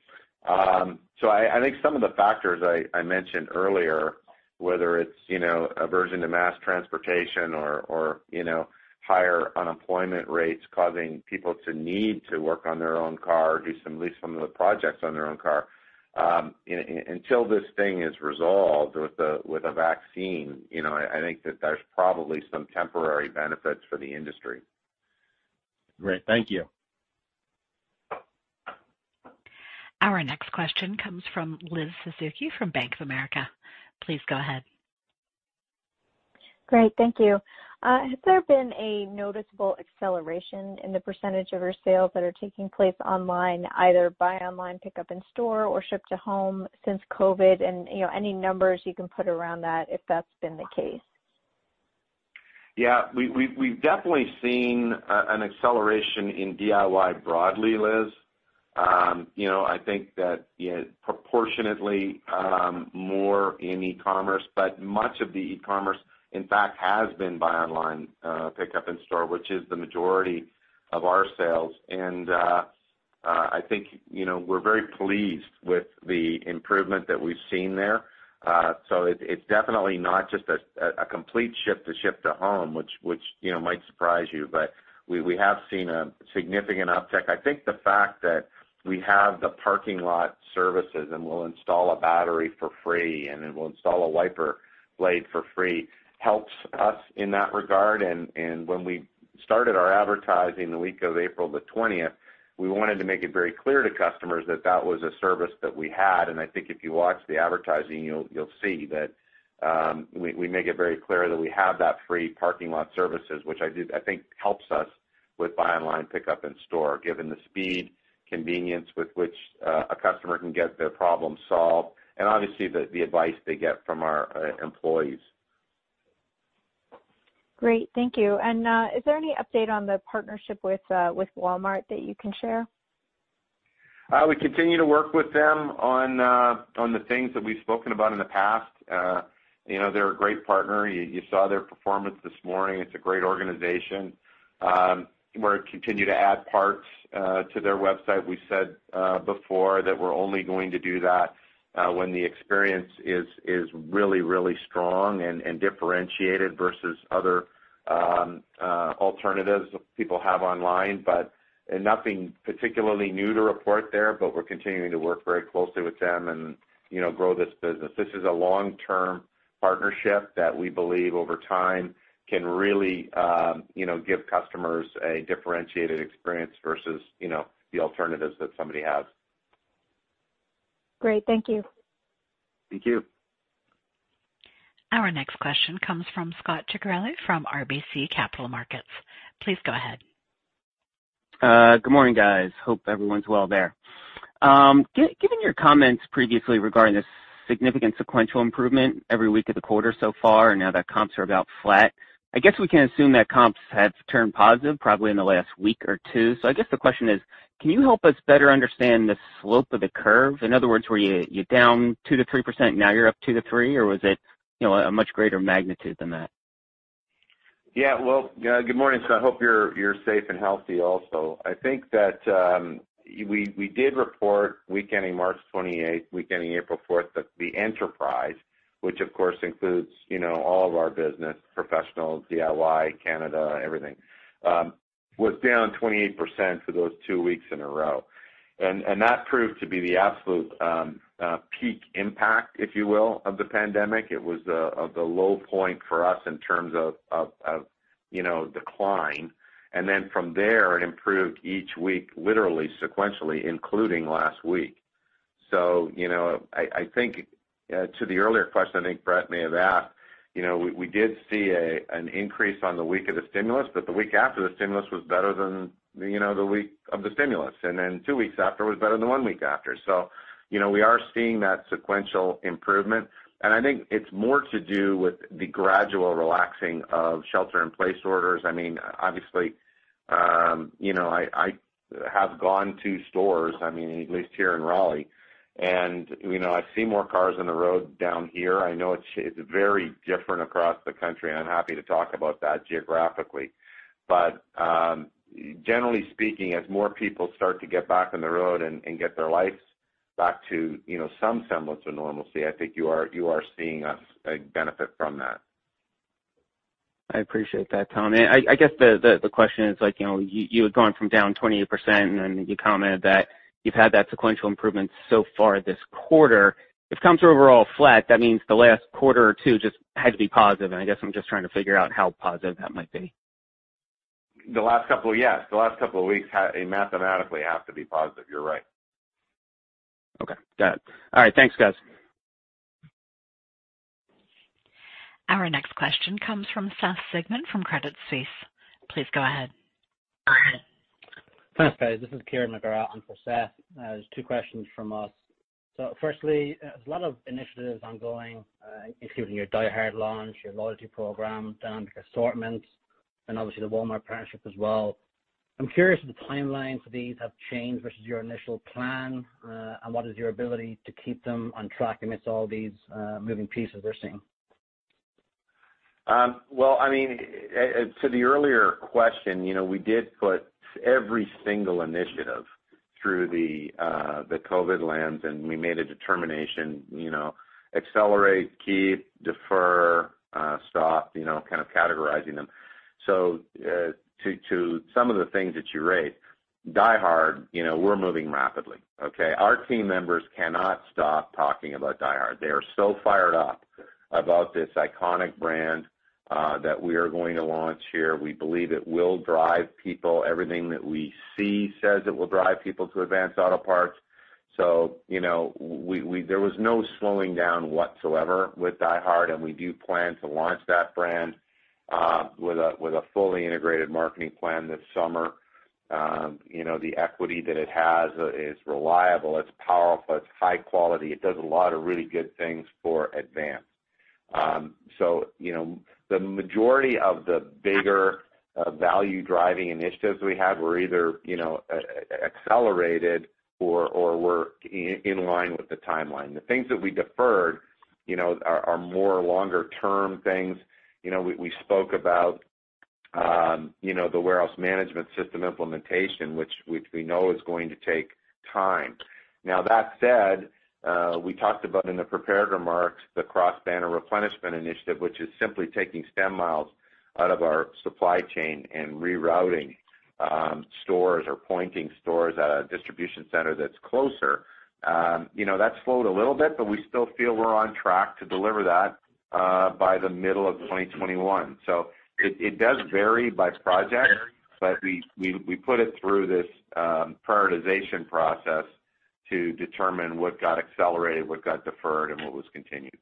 I think some of the factors I mentioned earlier, whether it's aversion to mass transportation or higher unemployment rates causing people to need to work on their own car or do at least some of the projects on their own car, until this thing is resolved with a vaccine, I think that there's probably some temporary benefits for the industry. Great. Thank you. Our next question comes from Elizabeth Suzuki from Bank of America. Please go ahead. Great. Thank you. Has there been a noticeable acceleration in the percentage of your sales that are taking place online, either buy online, pickup in store, or ship to home since COVID-19? Any numbers you can put around that if that's been the case. We've definitely seen an acceleration in DIY broadly, Liz. I think that proportionately more in e-commerce, but much of the e-commerce, in fact, has been buy online, pickup in store, which is the majority of our sales. I think we're very pleased with the improvement that we've seen there. It's definitely not just a complete ship to home, which might surprise you, but we have seen a significant uptick. I think the fact that we have the parking lot services and we'll install a battery for free, and then we'll install a wiper blade for free helps us in that regard. When we started our advertising the week of April the 20th, we wanted to make it very clear to customers that that was a service that we had. I think if you watch the advertising, you'll see that we make it very clear that we have that free parking lot services, which I think helps us with buy online, pickup in store, given the speed, convenience with which a customer can get their problem solved, and obviously the advice they get from our employees. Great. Thank you. Is there any update on the partnership with Walmart that you can share? We continue to work with them on the things that we've spoken about in the past. They're a great partner. You saw their performance this morning. It's a great organization. We're continuing to add parts to their website. We said before that we're only going to do that when the experience is really strong and differentiated versus other alternatives people have online. Nothing particularly new to report there, but we're continuing to work very closely with them and grow this business. This is a long-term partnership that we believe over time can really give customers a differentiated experience versus the alternatives that somebody has. Great. Thank you. Thank you. Our next question comes from Scot Ciccarelli from RBC Capital Markets. Please go ahead. Good morning, guys. Hope everyone's well there. Given your comments previously regarding the significant sequential improvement every week of the quarter so far, and now that comps are about flat, I guess we can assume that comps have turned positive probably in the last week or two. I guess the question is, can you help us better understand the slope of the curve? In other words, were you down 2%-3%, now you're up 2%-3%? Or was it a much greater magnitude than that? Yeah. Well, good morning, Scot. I hope you're safe and healthy also. I think that we did report week ending March 28th, week ending April 4th, that the enterprise, which of course includes all of our business, professional, DIY, Canada, everything, was down 28% for those two weeks in a row. That proved to be the absolute peak impact, if you will, of the pandemic. It was of the low point for us in terms of decline. From there, it improved each week, literally sequentially, including last week. I think to the earlier question I think Bret may have asked, we did see an increase on the week of the stimulus, but the week after the stimulus was better than the week of the stimulus, and then two weeks after was better than one week after. We are seeing that sequential improvement, and I think it's more to do with the gradual relaxing of shelter-in-place orders. Obviously, I have gone to stores, at least here in Raleigh, and I see more cars on the road down here. I know it's very different across the country, and I'm happy to talk about that geographically. But generally speaking, as more people start to get back on the road and get their lives back to some semblance of normalcy, I think you are seeing us benefit from that. I appreciate that, Tom. I guess the question is like, you had gone from down 28%, and then you commented that you've had that sequential improvement so far this quarter. If comps are overall flat, that means the last quarter or two just had to be positive, and I guess I'm just trying to figure out how positive that might be. The last couple, yes. The last couple of weeks mathematically have to be positive. You're right. Okay, got it. All right. Thanks, guys. Our next question comes from Seth Sigman from Credit Suisse. Please go ahead. Thanks, guys. This is Kieran McGrath on for Seth. There's two questions from us. Firstly, there's a lot of initiatives ongoing, including your DieHard launch, your loyalty program, down to the assortments, and obviously the Walmart partnership as well. I'm curious if the timelines for these have changed versus your initial plan, and what is your ability to keep them on track amidst all these moving pieces we're seeing? To the earlier question, we did put every single initiative through the COVID-19 lens, and we made a determination, accelerate, keep, defer, stop, kind of categorizing them. To some of the things that you raised, DieHard, we're moving rapidly, okay. Our team members cannot stop talking about DieHard. They are so fired up about this iconic brand that we are going to launch here. We believe it will drive people. Everything that we see says it will drive people to Advance Auto Parts. There was no slowing down whatsoever with DieHard, and we do plan to launch that brand with a fully integrated marketing plan this summer. The equity that it has is reliable, it's powerful, it's high quality. It does a lot of really good things for Advance. The majority of the bigger value-driving initiatives we have were either accelerated or were in line with the timeline. The things that we deferred are more longer-term things. We spoke about the Warehouse Management System implementation, which we know is going to take time. Now, that said, we talked about in the prepared remarks, the Cross-Banner Replenishment initiative, which is simply taking stem miles out of our supply chain and rerouting stores or pointing stores at a distribution center that's closer. That slowed a little bit, but we still feel we're on track to deliver that by the middle of 2021. It does vary by project, but we put it through this prioritization process to determine what got accelerated, what got deferred, and what was continued.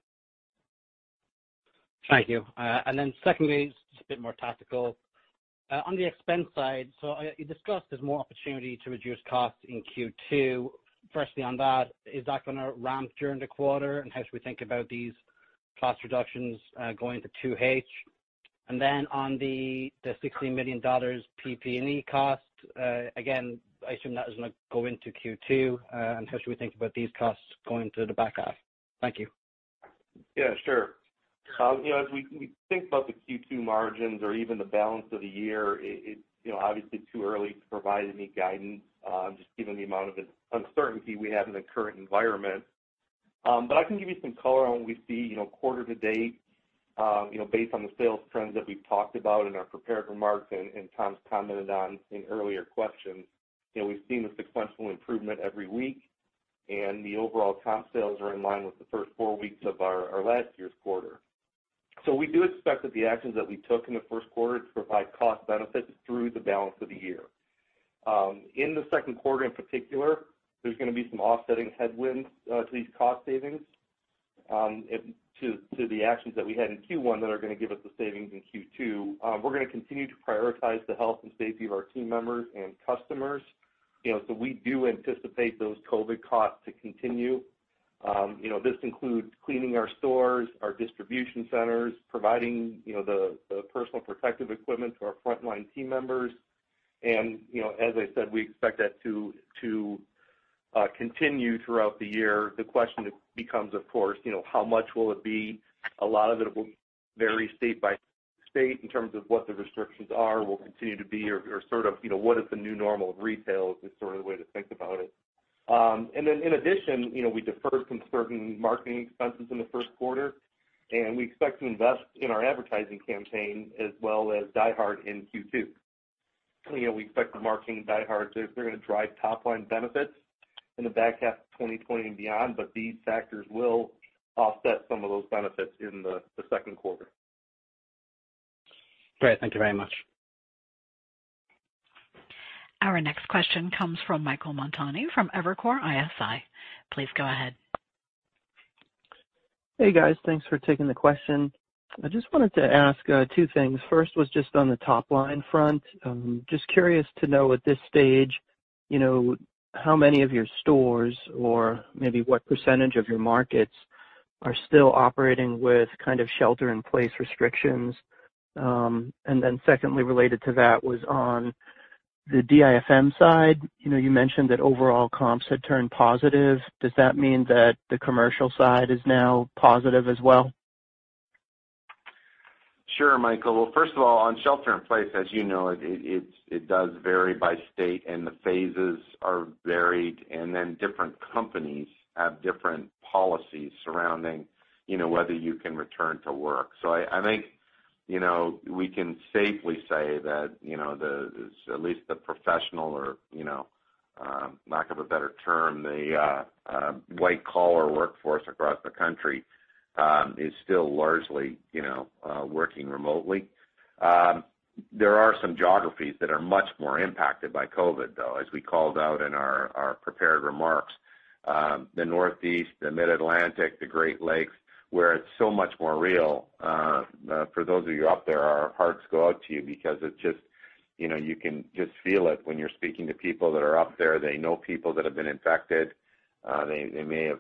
Thank you. Secondly, just a bit more tactical. On the expense side, you discussed there's more opportunity to reduce costs in Q2. Firstly, on that, is that going to ramp during the quarter? How should we think about these cost reductions going to 2H? Then on the $60 million PPE cost, again, I assume that is going to go into Q2. How should we think about these costs going to the back half? Thank you. Yeah, sure. As we think about the Q2 margins or even the balance of the year, it's obviously too early to provide any guidance, just given the amount of uncertainty we have in the current environment. I can give you some color on what we see quarter to date, based on the sales trends that we've talked about in our prepared remarks and Tom's commented on in earlier questions. We've seen a sequential improvement every week, and the overall comp sales are in line with the first four weeks of our last year's quarter. We do expect that the actions that we took in the first quarter to provide cost benefits through the balance of the year. In the second quarter, in particular, there's going to be some offsetting headwinds to these cost savings, to the actions that we had in Q1 that are going to give us the savings in Q2. We're going to continue to prioritize the health and safety of our team members and customers. We do anticipate those COVID costs to continue. This includes cleaning our stores, our distribution centers, providing the personal protective equipment to our frontline team members, and as I said, we expect that to continue throughout the year. The question becomes, of course, how much will it be? A lot of it will vary state by state in terms of what the restrictions are, will continue to be, or what is the new normal of retail is sort of the way to think about it. In addition, we deferred some certain marketing expenses in the first quarter, and we expect to invest in our advertising campaign as well as DieHard in Q2. We expect the marketing DieHard, they're going to drive top-line benefits in the back half of 2020 and beyond, but these factors will offset some of those benefits in the second quarter. Great. Thank you very much. Our next question comes from Michael Montani from Evercore ISI. Please go ahead. Hey, guys. Thanks for taking the question. I just wanted to ask two things. First was just on the top-line front. Just curious to know at this stage, how many of your stores or maybe what percentage of your markets are still operating with kind of shelter-in-place restrictions? Secondly, related to that was on the DIFM side. You mentioned that overall comps had turned positive. Does that mean that the commercial side is now positive as well? Sure, Michael. First of all, on shelter-in-place, as you know, it does vary by state and the phases are varied, and then different companies have different policies surrounding whether you can return to work. I think we can safely say that at least the professional or, lack of a better term, the white-collar workforce across the country, is still largely working remotely. There are some geographies that are much more impacted by COVID, though, as we called out in our prepared remarks. The Northeast, the Mid-Atlantic, the Great Lakes, where it's so much more real. For those of you up there, our hearts go out to you because you can just feel it when you're speaking to people that are up there. They know people that have been infected. They may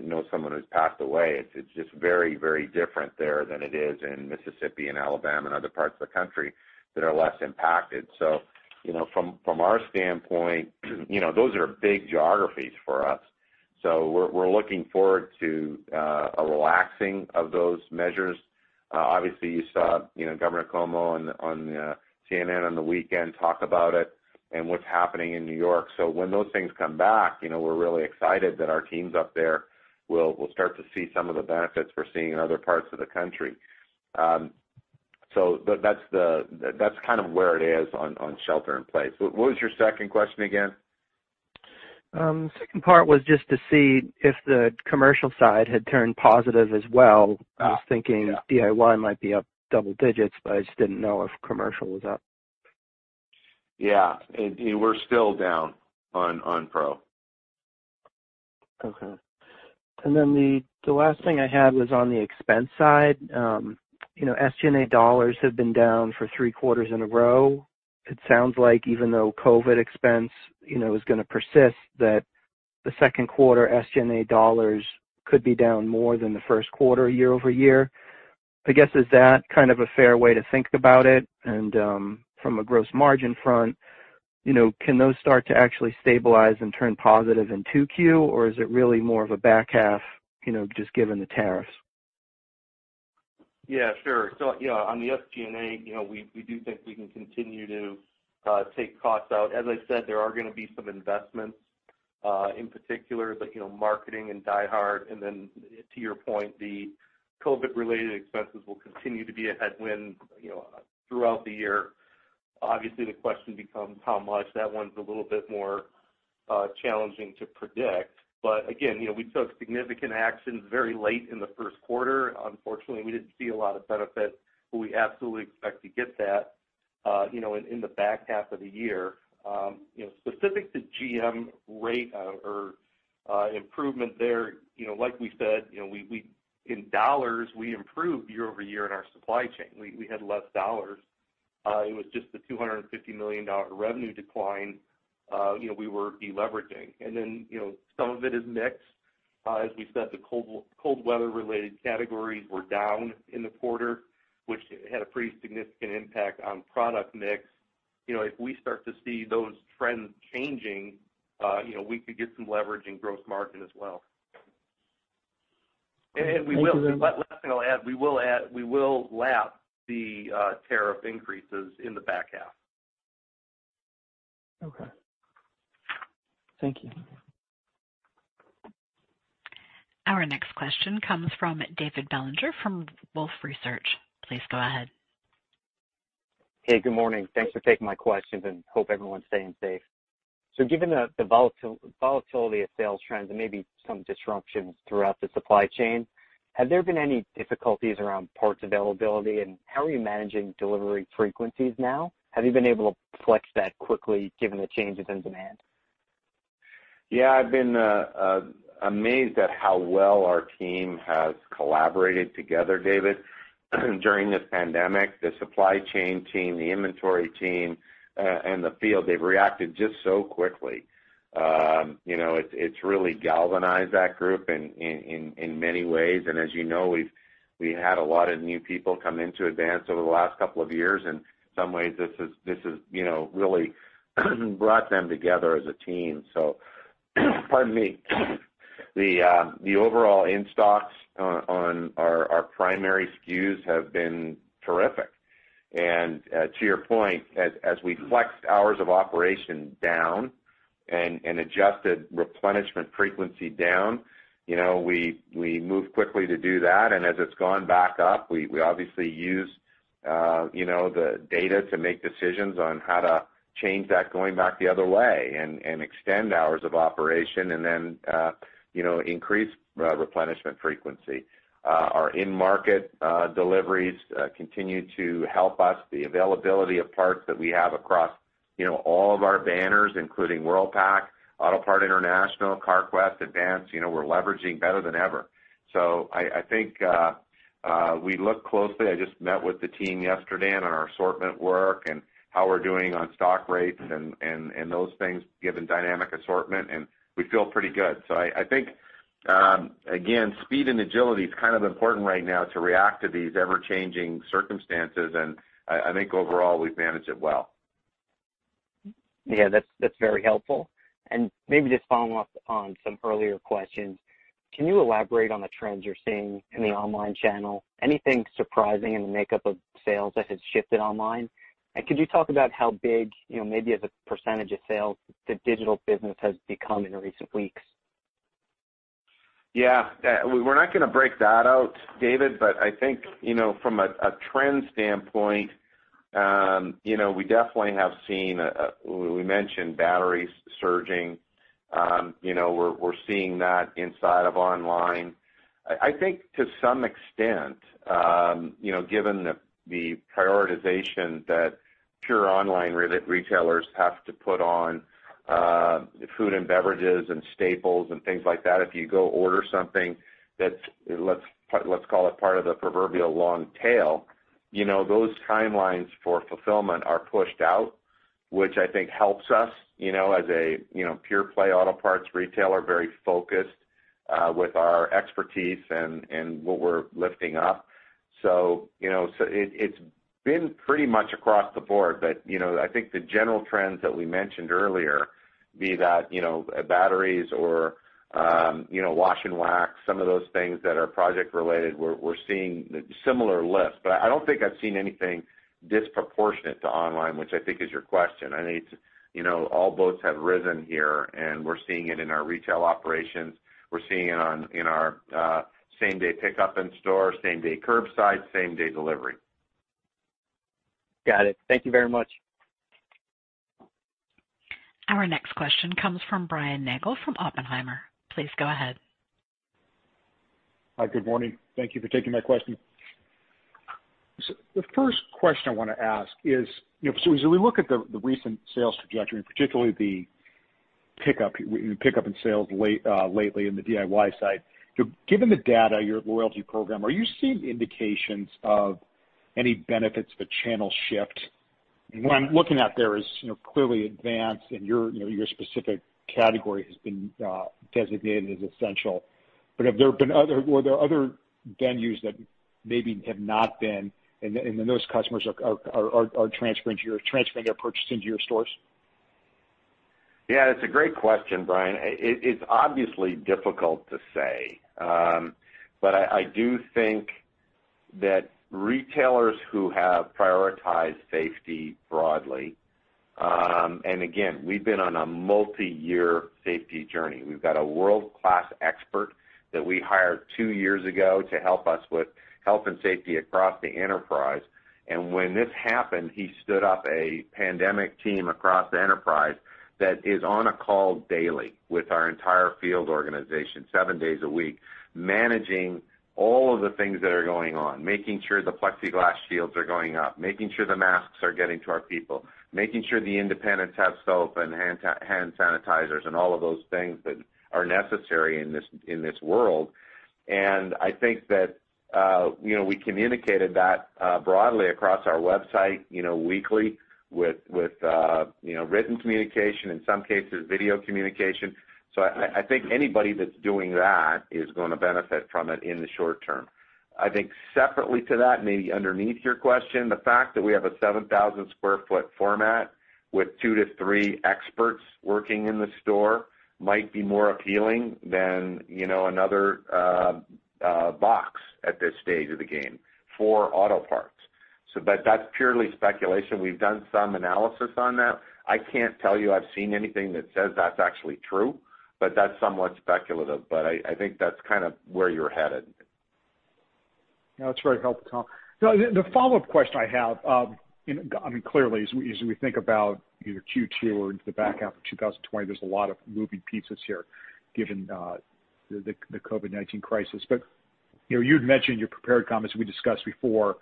know someone who's passed away. It's just very different there than it is in Mississippi and Alabama and other parts of the country that are less impacted. From our standpoint, those are big geographies for us. We're looking forward to a relaxing of those measures. Obviously, you saw Governor Cuomo on CNN on the weekend talk about it and what's happening in New York. When those things come back, we're really excited that our teams up there will start to see some of the benefits we're seeing in other parts of the country. That's kind of where it is on shelter-in-place. What was your second question again? The second part was just to see if the commercial side had turned positive as well. Yeah. I was thinking DIY might be up double digits, but I just didn't know if commercial was up. Yeah. We're still down on pro. Okay. The last thing I had was on the expense side. SG&A dollars have been down for three quarters in a row. It sounds like even though COVID expense is going to persist, that the second quarter SG&A dollars could be down more than the first quarter year-over-year. I guess, is that kind of a fair way to think about it? From a gross margin front, can those start to actually stabilize and turn positive in 2Q, or is it really more of a back half, just given the tariffs? Yeah, sure. On the SG&A, we do think we can continue to take costs out. As I said, there are going to be some investments, in particular, marketing and DieHard. To your point, the COVID-related expenses will continue to be a headwind throughout the year. Obviously, the question becomes how much. That one's a little bit more challenging to predict. Again, we took significant actions very late in the first quarter. Unfortunately, we didn't see a lot of benefit, but we absolutely expect to get that. In the back half of the year. Specific to GM or improvement there, like we said, in dollars, we improved year-over-year in our supply chain. We had less dollars. It was just the $250 million revenue decline we were deleveraging. Some of it is mix. As we said, the cold weather-related categories were down in the quarter, which had a pretty significant impact on product mix. If we start to see those trends changing, we could get some leverage in gross margin as well. Thank you, Dan. The last thing I'll add, we will lap the tariff increases in the back half. Okay. Thank you. Our next question comes from David Bellinger, from Wolfe Research. Please go ahead. Hey, good morning. Thanks for taking my questions, and hope everyone's staying safe. Given the volatility of sales trends and maybe some disruptions throughout the supply chain, have there been any difficulties around parts availability, and how are you managing delivery frequencies now? Have you been able to flex that quickly given the changes in demand? Yeah, I've been amazed at how well our team has collaborated together, David. During this pandemic, the supply chain team, the inventory team, and the field, they've reacted just so quickly. It's really galvanized that group in many ways. As you know, we've had a lot of new people come into Advance over the last couple of years, and in some ways, this has really brought them together as a team. Pardon me. The overall in-stocks on our primary SKUs have been terrific. To your point, as we flexed hours of operation down and adjusted replenishment frequency down, we moved quickly to do that. As it's gone back up, we obviously used the data to make decisions on how to change that going back the other way and extend hours of operation and then increase replenishment frequency. Our in-market deliveries continue to help us. The availability of parts that we have across all of our banners, including Worldpac, Autopart International, Carquest, Advance, we're leveraging better than ever. I think, we look closely. I just met with the team yesterday on our assortment work and how we're doing on stock rates and those things, given dynamic assortment, and we feel pretty good. I think, again, speed and agility is kind of important right now to react to these ever-changing circumstances, and I think overall, we've managed it well. Yeah, that's very helpful. Maybe just following up on some earlier questions, can you elaborate on the trends you're seeing in the online channel? Anything surprising in the makeup of sales that has shifted online? Could you talk about how big, maybe as a % of sales, the digital business has become in recent weeks? Yeah. We're not going to break that out, David. I think, from a trends standpoint, we definitely have seen, we mentioned batteries surging. We're seeing that inside of online. I think to some extent, given the prioritization that pure online retailers have to put on food and beverages and staples and things like that, if you go order something that's, let's call it part of the proverbial long tail, those timelines for fulfillment are pushed out, which I think helps us, as a pure-play auto parts retailer, very focused with our expertise and what we're lifting up. It's been pretty much across the board. I think the general trends that we mentioned earlier, be that batteries or wash and wax, some of those things that are project-related, we're seeing similar lifts. I don't think I've seen anything disproportionate to online, which I think is your question. I think all boats have risen here, and we're seeing it in our retail operations. We're seeing it in our same-day pickup in-store, same-day curbside, same-day delivery. Got it. Thank you very much. Our next question comes from Brian Nagel from Oppenheimer. Please go ahead. Hi, good morning. Thank you for taking my question. The first question I want to ask is, as we look at the recent sales trajectory, and particularly the pickup in sales lately in the DIY side, given the data, your loyalty program, are you seeing indications of any benefits of a channel shift? What I'm looking at there is clearly Advance and your specific category has been designated as essential. Were there other venues that maybe have not been, and then those customers are transferring their purchasing to your stores? Yeah, it's a great question, Brian. It's obviously difficult to say. I do think that retailers who have prioritized safety broadly, and again, we've been on a multi-year safety journey. We've got a world-class expert that we hired two years ago to help us with health and safety across the enterprise. When this happened, he stood up a pandemic team across the enterprise that is on a call daily with our entire field organization, seven days a week, managing all of the things that are going on. Making sure the plexiglass shields are going up, making sure the masks are getting to our people, making sure the independents have soap and hand sanitizers and all of those things that are necessary in this world. I think that we communicated that broadly across our website weekly with written communication, in some cases, video communication. I think anybody that's doing that is going to benefit from it in the short term. I think separately to that, maybe underneath your question, the fact that we have a 7,000 sq ft format with two to three experts working in the store might be more appealing than another box at this stage of the game for auto parts. That's purely speculation. We've done some analysis on that. I can't tell you I've seen anything that says that's actually true, but that's somewhat speculative. I think that's kind of where you're headed. Yeah, that's very helpful, Tom. The follow-up question I have, clearly, as we think about either Q2 or into the back half of 2020, there's a lot of moving pieces here given the COVID-19 crisis. You had mentioned in your prepared comments we discussed before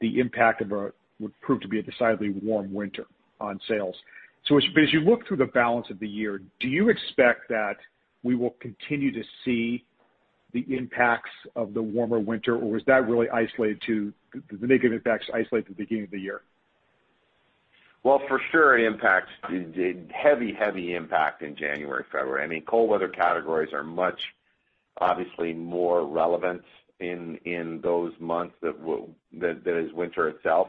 the impact of what proved to be a decidedly warm winter on sales. As you look through the balance of the year, do you expect that we will continue to see the impacts of the warmer winter, or was that really isolated to the negative impacts isolated to the beginning of the year? Well, for sure it impacts, heavy impact in January, February. Cold weather categories are much obviously more relevant in those months that is winter itself.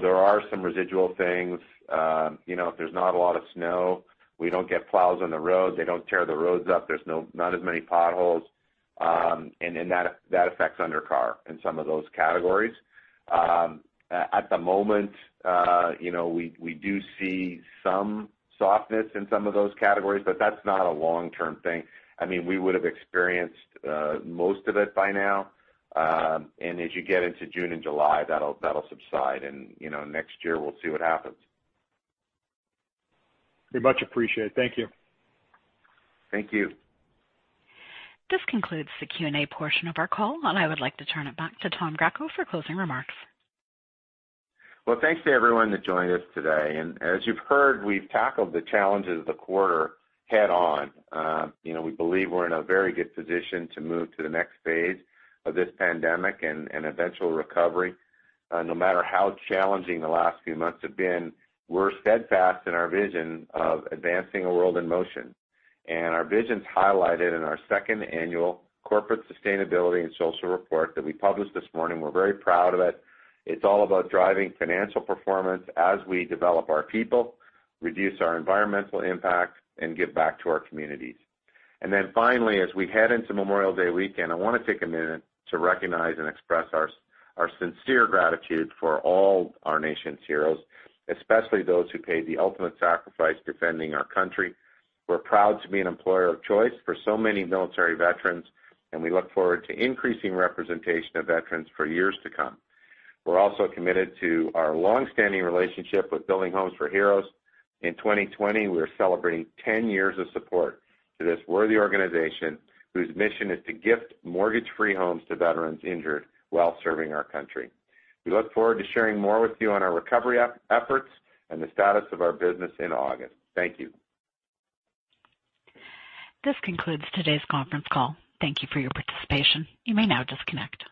There are some residual things. If there's not a lot of snow, we don't get plows on the road. They don't tear the roads up. There's not as many potholes, and that affects undercar and some of those categories. At the moment, we do see some softness in some of those categories, but that's not a long-term thing. We would have experienced most of it by now. As you get into June and July, that'll subside, and next year we'll see what happens. Very much appreciate it. Thank you. Thank you. This concludes the Q&A portion of our call, and I would like to turn it back to Tom Greco for closing remarks. Well, thanks to everyone that joined us today. As you've heard, we've tackled the challenges of the quarter head on. We believe we're in a very good position to move to the next phase of this pandemic and eventual recovery. No matter how challenging the last few months have been, we're steadfast in our vision of advancing a world in motion, and our vision's highlighted in our second annual Corporate Sustainability and Social Report that we published this morning. We're very proud of it. It's all about driving financial performance as we develop our people, reduce our environmental impact, and give back to our communities. Finally, as we head into Memorial Day weekend, I want to take a minute to recognize and express our sincere gratitude for all our nation's heroes, especially those who paid the ultimate sacrifice defending our country. We're proud to be an employer of choice for so many military veterans, and we look forward to increasing representation of veterans for years to come. We're also committed to our longstanding relationship with Building Homes for Heroes. In 2020, we are celebrating 10 years of support to this worthy organization, whose mission is to gift mortgage-free homes to veterans injured while serving our country. We look forward to sharing more with you on our recovery efforts and the status of our business in August. Thank you. This concludes today's conference call. Thank you for your participation. You may now disconnect.